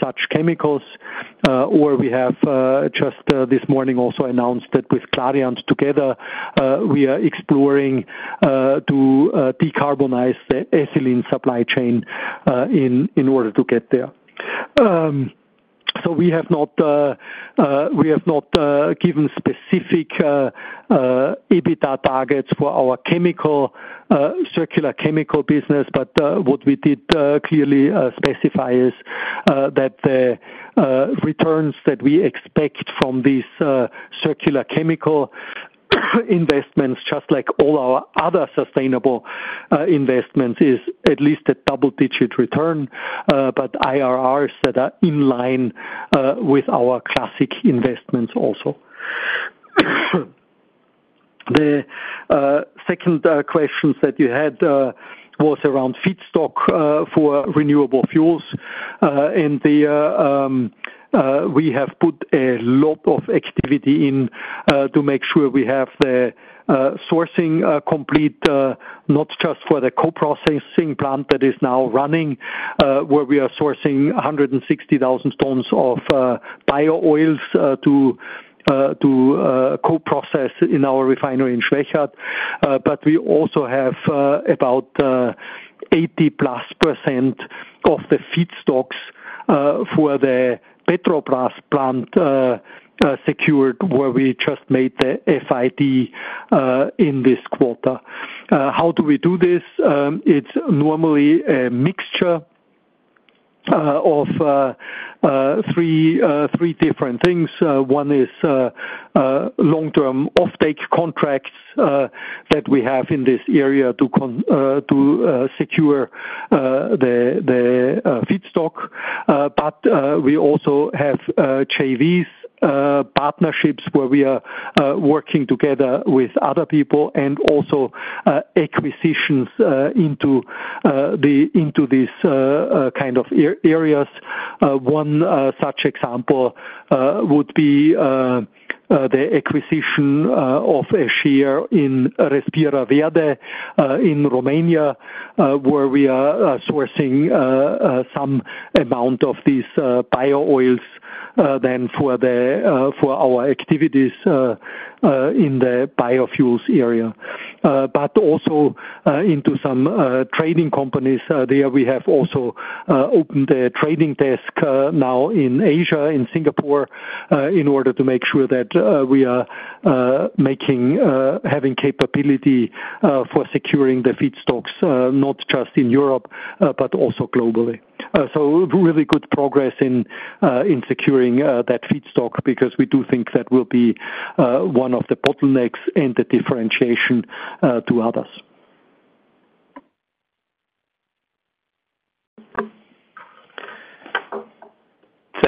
C: such chemicals. Or we have just this morning also announced that with Clariant together we are exploring to decarbonize the ethylene supply chain in order to get there. So we have not given specific EBITDA targets for our chemical circular chemical business, but what we did clearly specify is that the returns that we expect from these circular chemical investments, just like all our other sustainable investments, is at least a double-digit return, but IRRs that are in line with our classic investments also. The second questions that you had was around feedstock for renewable fuels. We have put a lot of activity in to make sure we have the sourcing complete, not just for the co-processing plant that is now running, where we are sourcing 160,000 tons of bio-oils to co-process in our refinery in Schwechat, but we also have about 80%+ of the feedstocks for the Petrobrazi plant secured, where we just made the FID in this quarter. How do we do this? It's normally a mixture of three different things. One is long-term offtake contracts that we have in this area to secure the feedstock. But we also have JVs, partnerships, where we are working together with other people, and also acquisitions into these kind of areas. One such example would be the acquisition of a share in Respira Verde in Romania, where we are sourcing some amount of these bio-oils then for our activities in the biofuels area. But also into some trading companies. There we have also opened a trading desk now in Asia, in Singapore, in order to make sure that we are making having capability for securing the feedstocks not just in Europe but also globally.
B: So really good progress in securing that feedstock, because we do think that will be one of the bottlenecks and the differentiation to others.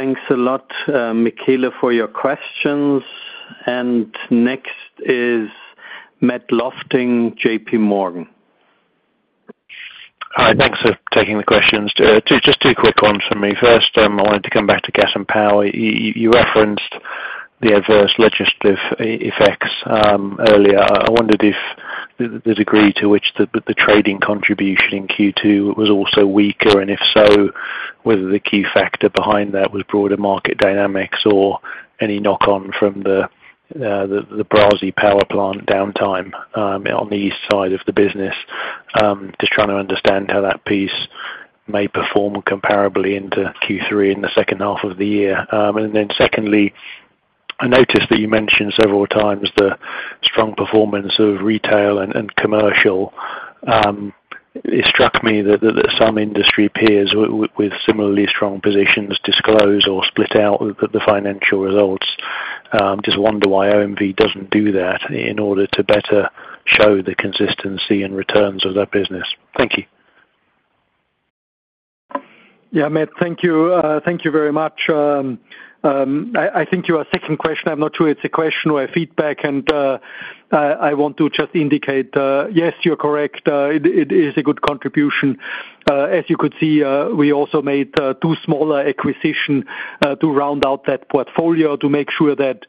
B: Thanks a lot, Michele, for your questions. And next is Matt Lofting, JPMorgan.
J: Hi, thanks for taking the questions. Two, just two quick ones from me. First, I wanted to come back to gas and power. You referenced the adverse legislative effects earlier. I wondered if the degree to which the trading contribution in Q2 was also weaker, and if so, whether the key factor behind that was broader market dynamics or any knock on from the Brazi power plant downtime on the east side of the business. Just trying to understand how that piece may perform comparably into Q3 in the second half of the year. And then secondly, I noticed that you mentioned several times the strong performance of retail and commercial. It struck me that some industry peers with similarly strong positions disclose or split out the financial results. Just wonder why OMV doesn't do that in order to better show the consistency and returns of that business. Thank you.
C: Yeah, Matt, thank you, thank you very much. I think your second question, I'm not sure it's a question or a feedback, and I want to just indicate, yes, you're correct. It is a good contribution. As you could see, we also made two smaller acquisition to round out that portfolio to make sure that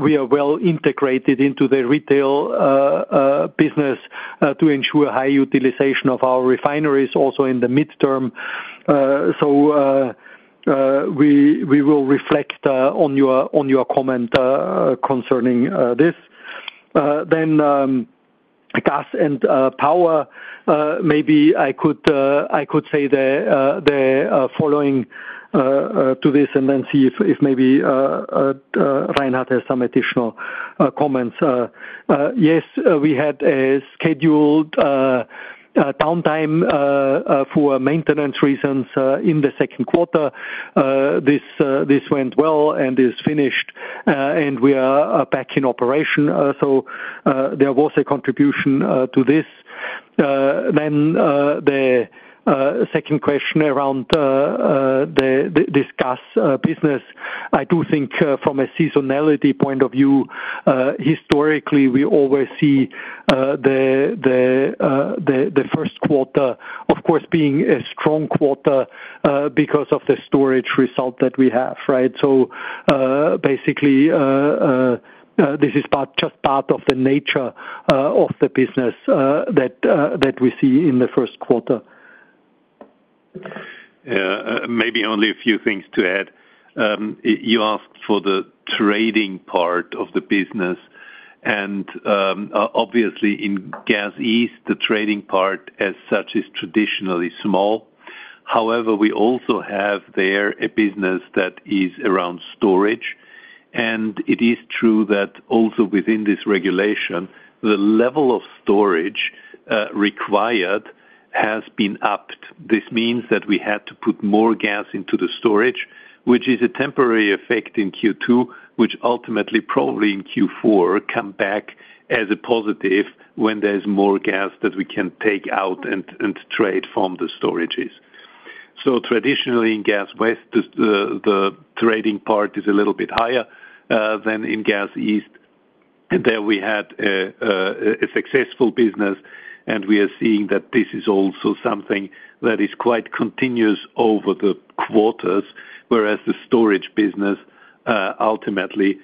C: we are well integrated into the retail business to ensure high utilization of our refineries, also in the midterm. So we will reflect on your comment concerning this. Then, gas and power, maybe I could say the following to this, and then see if maybe Reinhard has some additional comments. Yes, we had a scheduled downtime for maintenance reasons in the second quarter. This went well and is finished, and we are back in operation. So, there was a contribution to this. Then, the second question around the gas business. I do think, from a seasonality point of view, historically, we always see the first quarter, of course, being a strong quarter, because of the storage result that we have, right? So, basically, this is just part of the nature of the business, that we see in the first quarter.
D: Yeah, maybe only a few things to add. You asked for the trading part of the business, and, obviously, in Gas East, the trading part as such is traditionally small. However, we also have there a business that is around storage, and it is true that also within this regulation, the level of storage, required has been upped. This means that we had to put more gas into the storage, which is a temporary effect in Q2, which ultimately probably in Q4, come back as a positive when there's more gas that we can take out and trade from the storages. So traditionally, in Gas West, the trading part is a little bit higher, than in Gas East. There we had a successful business, and we are seeing that this is also something that is quite continuous over the quarters, whereas the storage business ultimately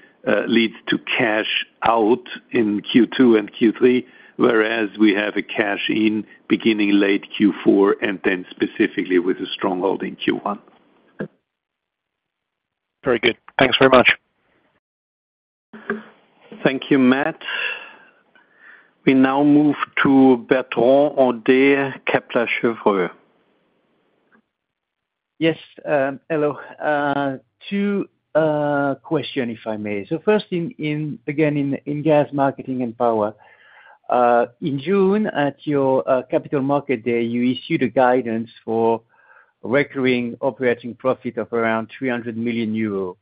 D: leads to cash out in Q2 and Q3, whereas we have a cash in beginning late Q4, and then specifically with a stronghold in Q1. Very good. Thanks very much.
B: Thank you, Matt. We now move to Bertrand Hodee, Kepler Cheuvreux.
K: Yes, hello. Two questions, if I may. So first, again, in gas marketing and power, in June, at your Capital Markets Day, you issued a guidance for recurring operating profit of around 300 million euro.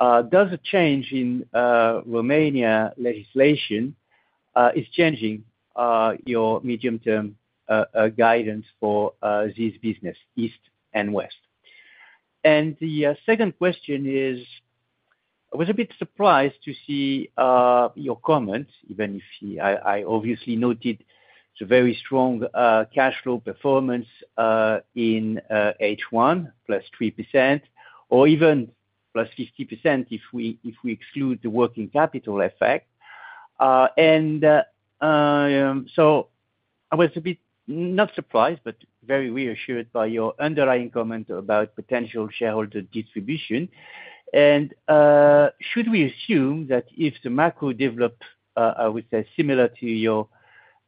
K: Does a change in Romania legislation is changing your medium-term guidance for this business, east and west? And the second question is, I was a bit surprised to see your comments, even if you... I obviously noted it's a very strong cashflow performance in H1, plus 3%, or even plus 50% if we exclude the working capital effect. And so I was a bit not surprised, but very reassured by your underlying comment about potential shareholder distribution. Should we assume that if the macro develops, I would say, similar to your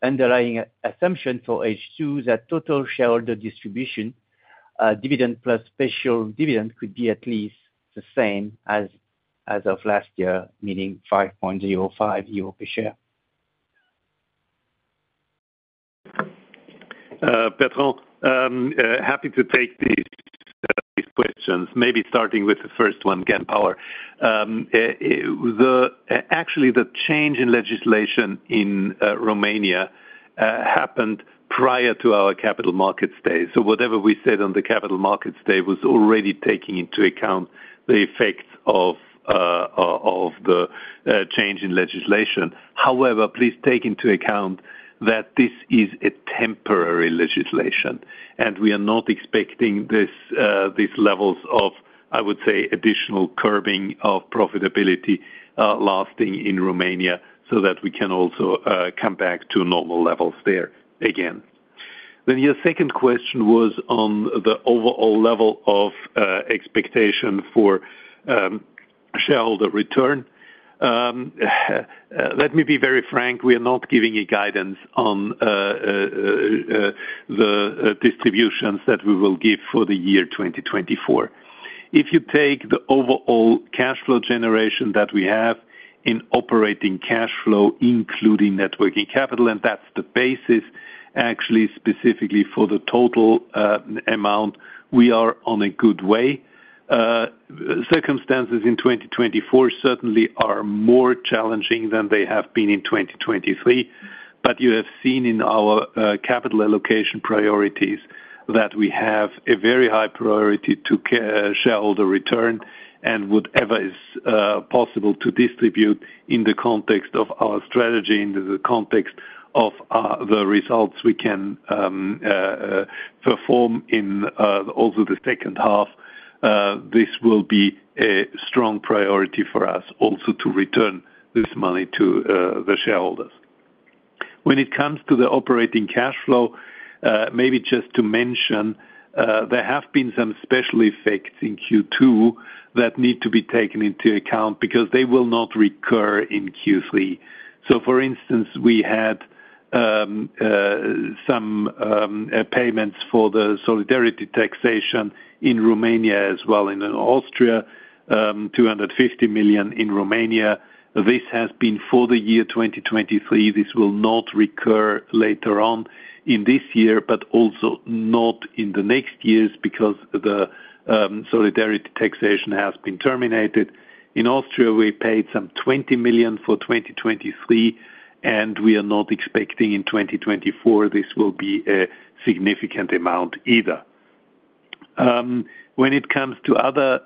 K: underlying assumption for H2, that total shareholder distribution, dividend plus special dividend, could be at least the same as of last year, meaning 5.05 euro per share?
D: Bertrand, happy to take these, these questions, maybe starting with the first one, again, power. Actually, the change in legislation in Romania happened prior to our capital markets day. So whatever we said on the capital markets day was already taking into account the effects of the change in legislation. However, please take into account that this is a temporary legislation, and we are not expecting this, these levels of, I would say, additional curbing of profitability, lasting in Romania, so that we can also come back to normal levels there again. Then your second question was on the overall level of expectation for shareholder return. Let me be very frank, we are not giving you guidance on the distributions that we will give for the year 2024. If you take the overall cash flow generation that we have in operating cash flow, including net working capital, and that's the basis, actually, specifically for the total amount, we are on a good way. Circumstances in 2024 certainly are more challenging than they have been in 2023, but you have seen in our capital allocation priorities that we have a very high priority to shareholder return, and whatever is possible to distribute in the context of our strategy, in the context of the results we can perform in over the second half, this will be a strong priority for us also to return this money to the shareholders. When it comes to the operating cash flow, maybe just to mention, there have been some special effects in Q2 that need to be taken into account because they will not recur in Q3. So for instance, we had some payments for the solidarity taxation in Romania, as well in Austria, 250 million in Romania. This has been for the year 2023. This will not recur later on in this year, but also not in the next years, because the solidarity taxation has been terminated. In Austria, we paid some 20 million for 2023, and we are not expecting in 2024, this will be a significant amount either. When it comes to other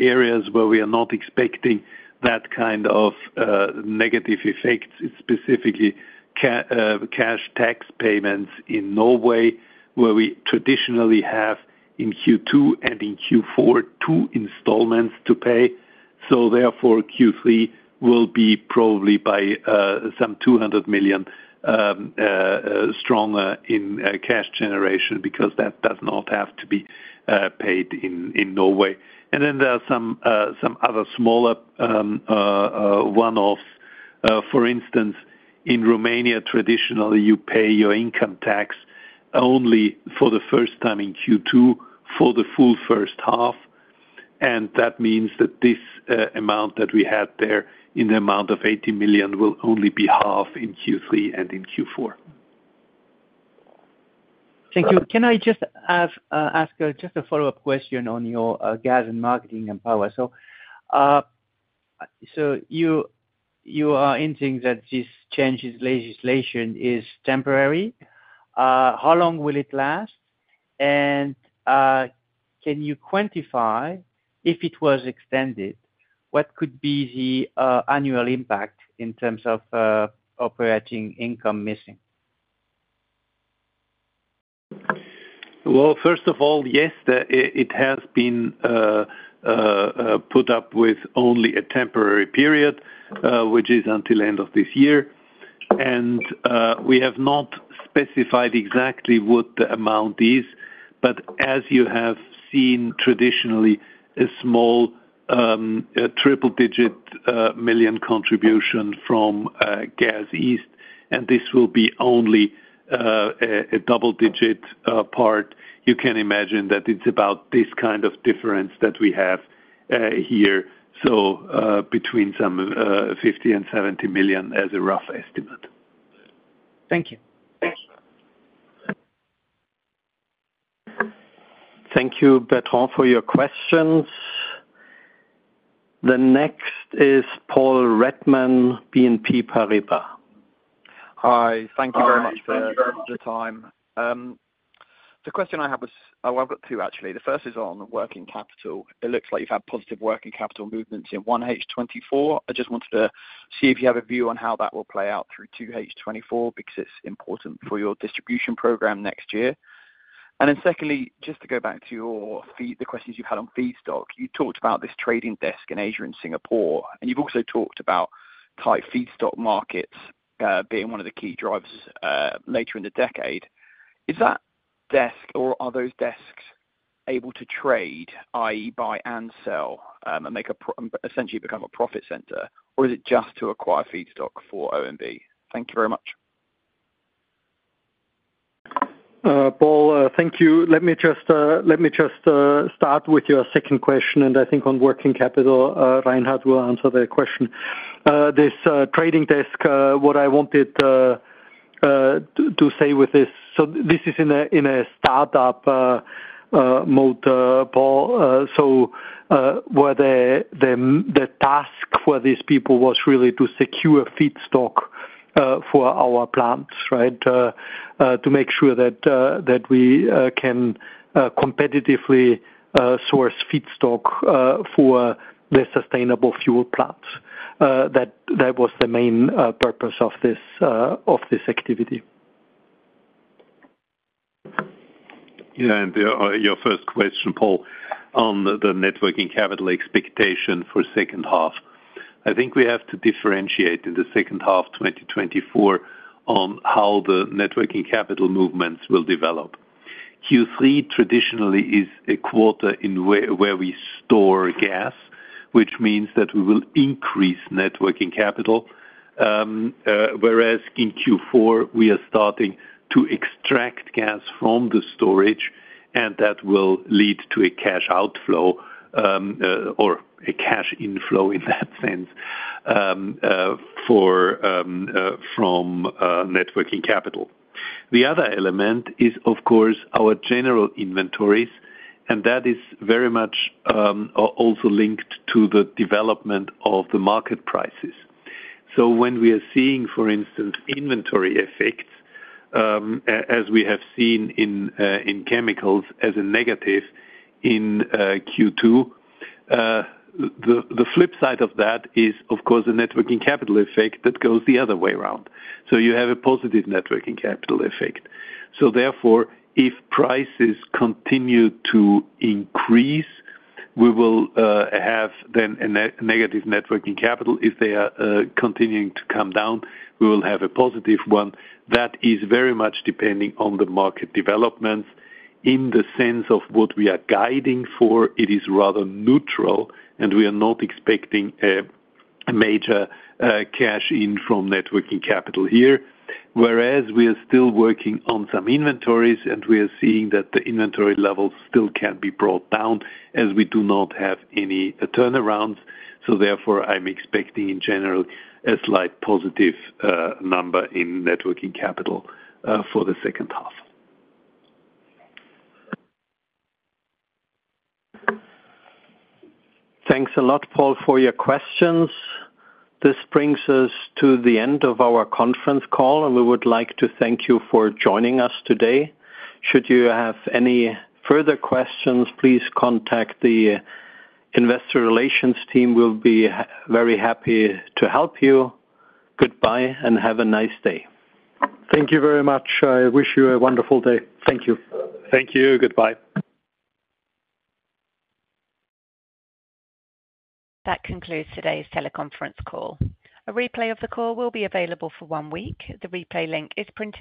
D: areas where we are not expecting that kind of negative effects, specifically cash tax payments in Norway, where we traditionally have in Q2 and in Q4 two installments to pay. So therefore, Q3 will be probably by some 200 million stronger in cash generation, because that does not have to be paid in Norway. And then there are some other smaller one-offs. For instance, in Romania, traditionally, you pay your income tax only for the first time in Q2, for the full first half, and that means that this amount that we had there, in the amount of 80 million, will only be half in Q3 and in Q4.
K: Thank you. Can I just ask just a follow-up question on your gas and marketing and power? So, so you, you are hinting that this changes legislation is temporary. How long will it last? And, can you quantify, if it was extended, what could be the annual impact in terms of operating income missing?
D: Well, first of all, yes, it has been put up with only a temporary period, which is until end of this year. We have not specified exactly what the amount is, but as you have seen traditionally, a small triple-digit million contribution from Gas East, and this will be only a double-digit part. You can imagine that it's about this kind of difference that we have here, so between some 50 million-70 million as a rough estimate.
K: Thank you.
D: Thanks.
B: Thank you, Bertrand, for your questions. The next is Paul Redman, BNP Paribas.
L: Hi. Thank you very much for your time. The question I have is... Oh, I've got two, actually. The first is on working capital. It looks like you've had positive working capital movements in 1H 2024. I just wanted to see if you have a view on how that will play out through 2H 2024, because it's important for your distribution program next year. And then secondly, just to go back to your fee, the questions you had on feedstock. You talked about this trading desk in Asia and Singapore, and you've also talked about tight feedstock markets, being one of the key drivers, later in the decade. Is that desk, or are those desks able to trade, i.e., buy and sell, and make a pro- essentially become a profit center, or is it just to acquire feedstock for OMV? Thank you very much.
C: Paul, thank you. Let me just start with your second question, and I think on working capital, Reinhard will answer the question. This trading desk, what I wanted to say with this, so this is in a startup mode, Paul. So, where the task for these people was really to secure feedstock for our plants, right? To make sure that we can competitively source feedstock for the sustainable fuel plants. That was the main purpose of this activity.
D: Yeah, and your first question, Paul, on the net working capital expectation for second half. I think we have to differentiate in the second half, 2024, on how the net working capital movements will develop. Q3 traditionally is a quarter where we store gas, which means that we will increase net working capital. Whereas in Q4, we are starting to extract gas from the storage, and that will lead to a cash outflow or a cash inflow, in that sense, from net working capital. The other element is, of course, our general inventories, and that is very much also linked to the development of the market prices. So when we are seeing, for instance, inventory effects, as we have seen in chemicals as a negative in Q2, the flip side of that is, of course, the net working capital effect that goes the other way around. So you have a positive net working capital effect. So therefore, if prices continue to increase, we will have then a negative net working capital. If they are continuing to come down, we will have a positive one. That is very much depending on the market developments. In the sense of what we are guiding for, it is rather neutral, and we are not expecting a major cash in from net working capital here. Whereas, we are still working on some inventories, and we are seeing that the inventory levels still can be brought down as we do not have any turnarounds. Therefore, I'm expecting, in general, a slight positive number in net working capital for the second half.
B: Thanks a lot, Paul, for your questions. This brings us to the end of our conference call, and we would like to thank you for joining us today. Should you have any further questions, please contact the investor relations team. We'll be very happy to help you. Goodbye, and have a nice day.
D: Thank you very much. I wish you a wonderful day. Thank you. Thank you. Goodbye.
A: That concludes today's teleconference call. A replay of the call will be available for one week. The replay link is printed-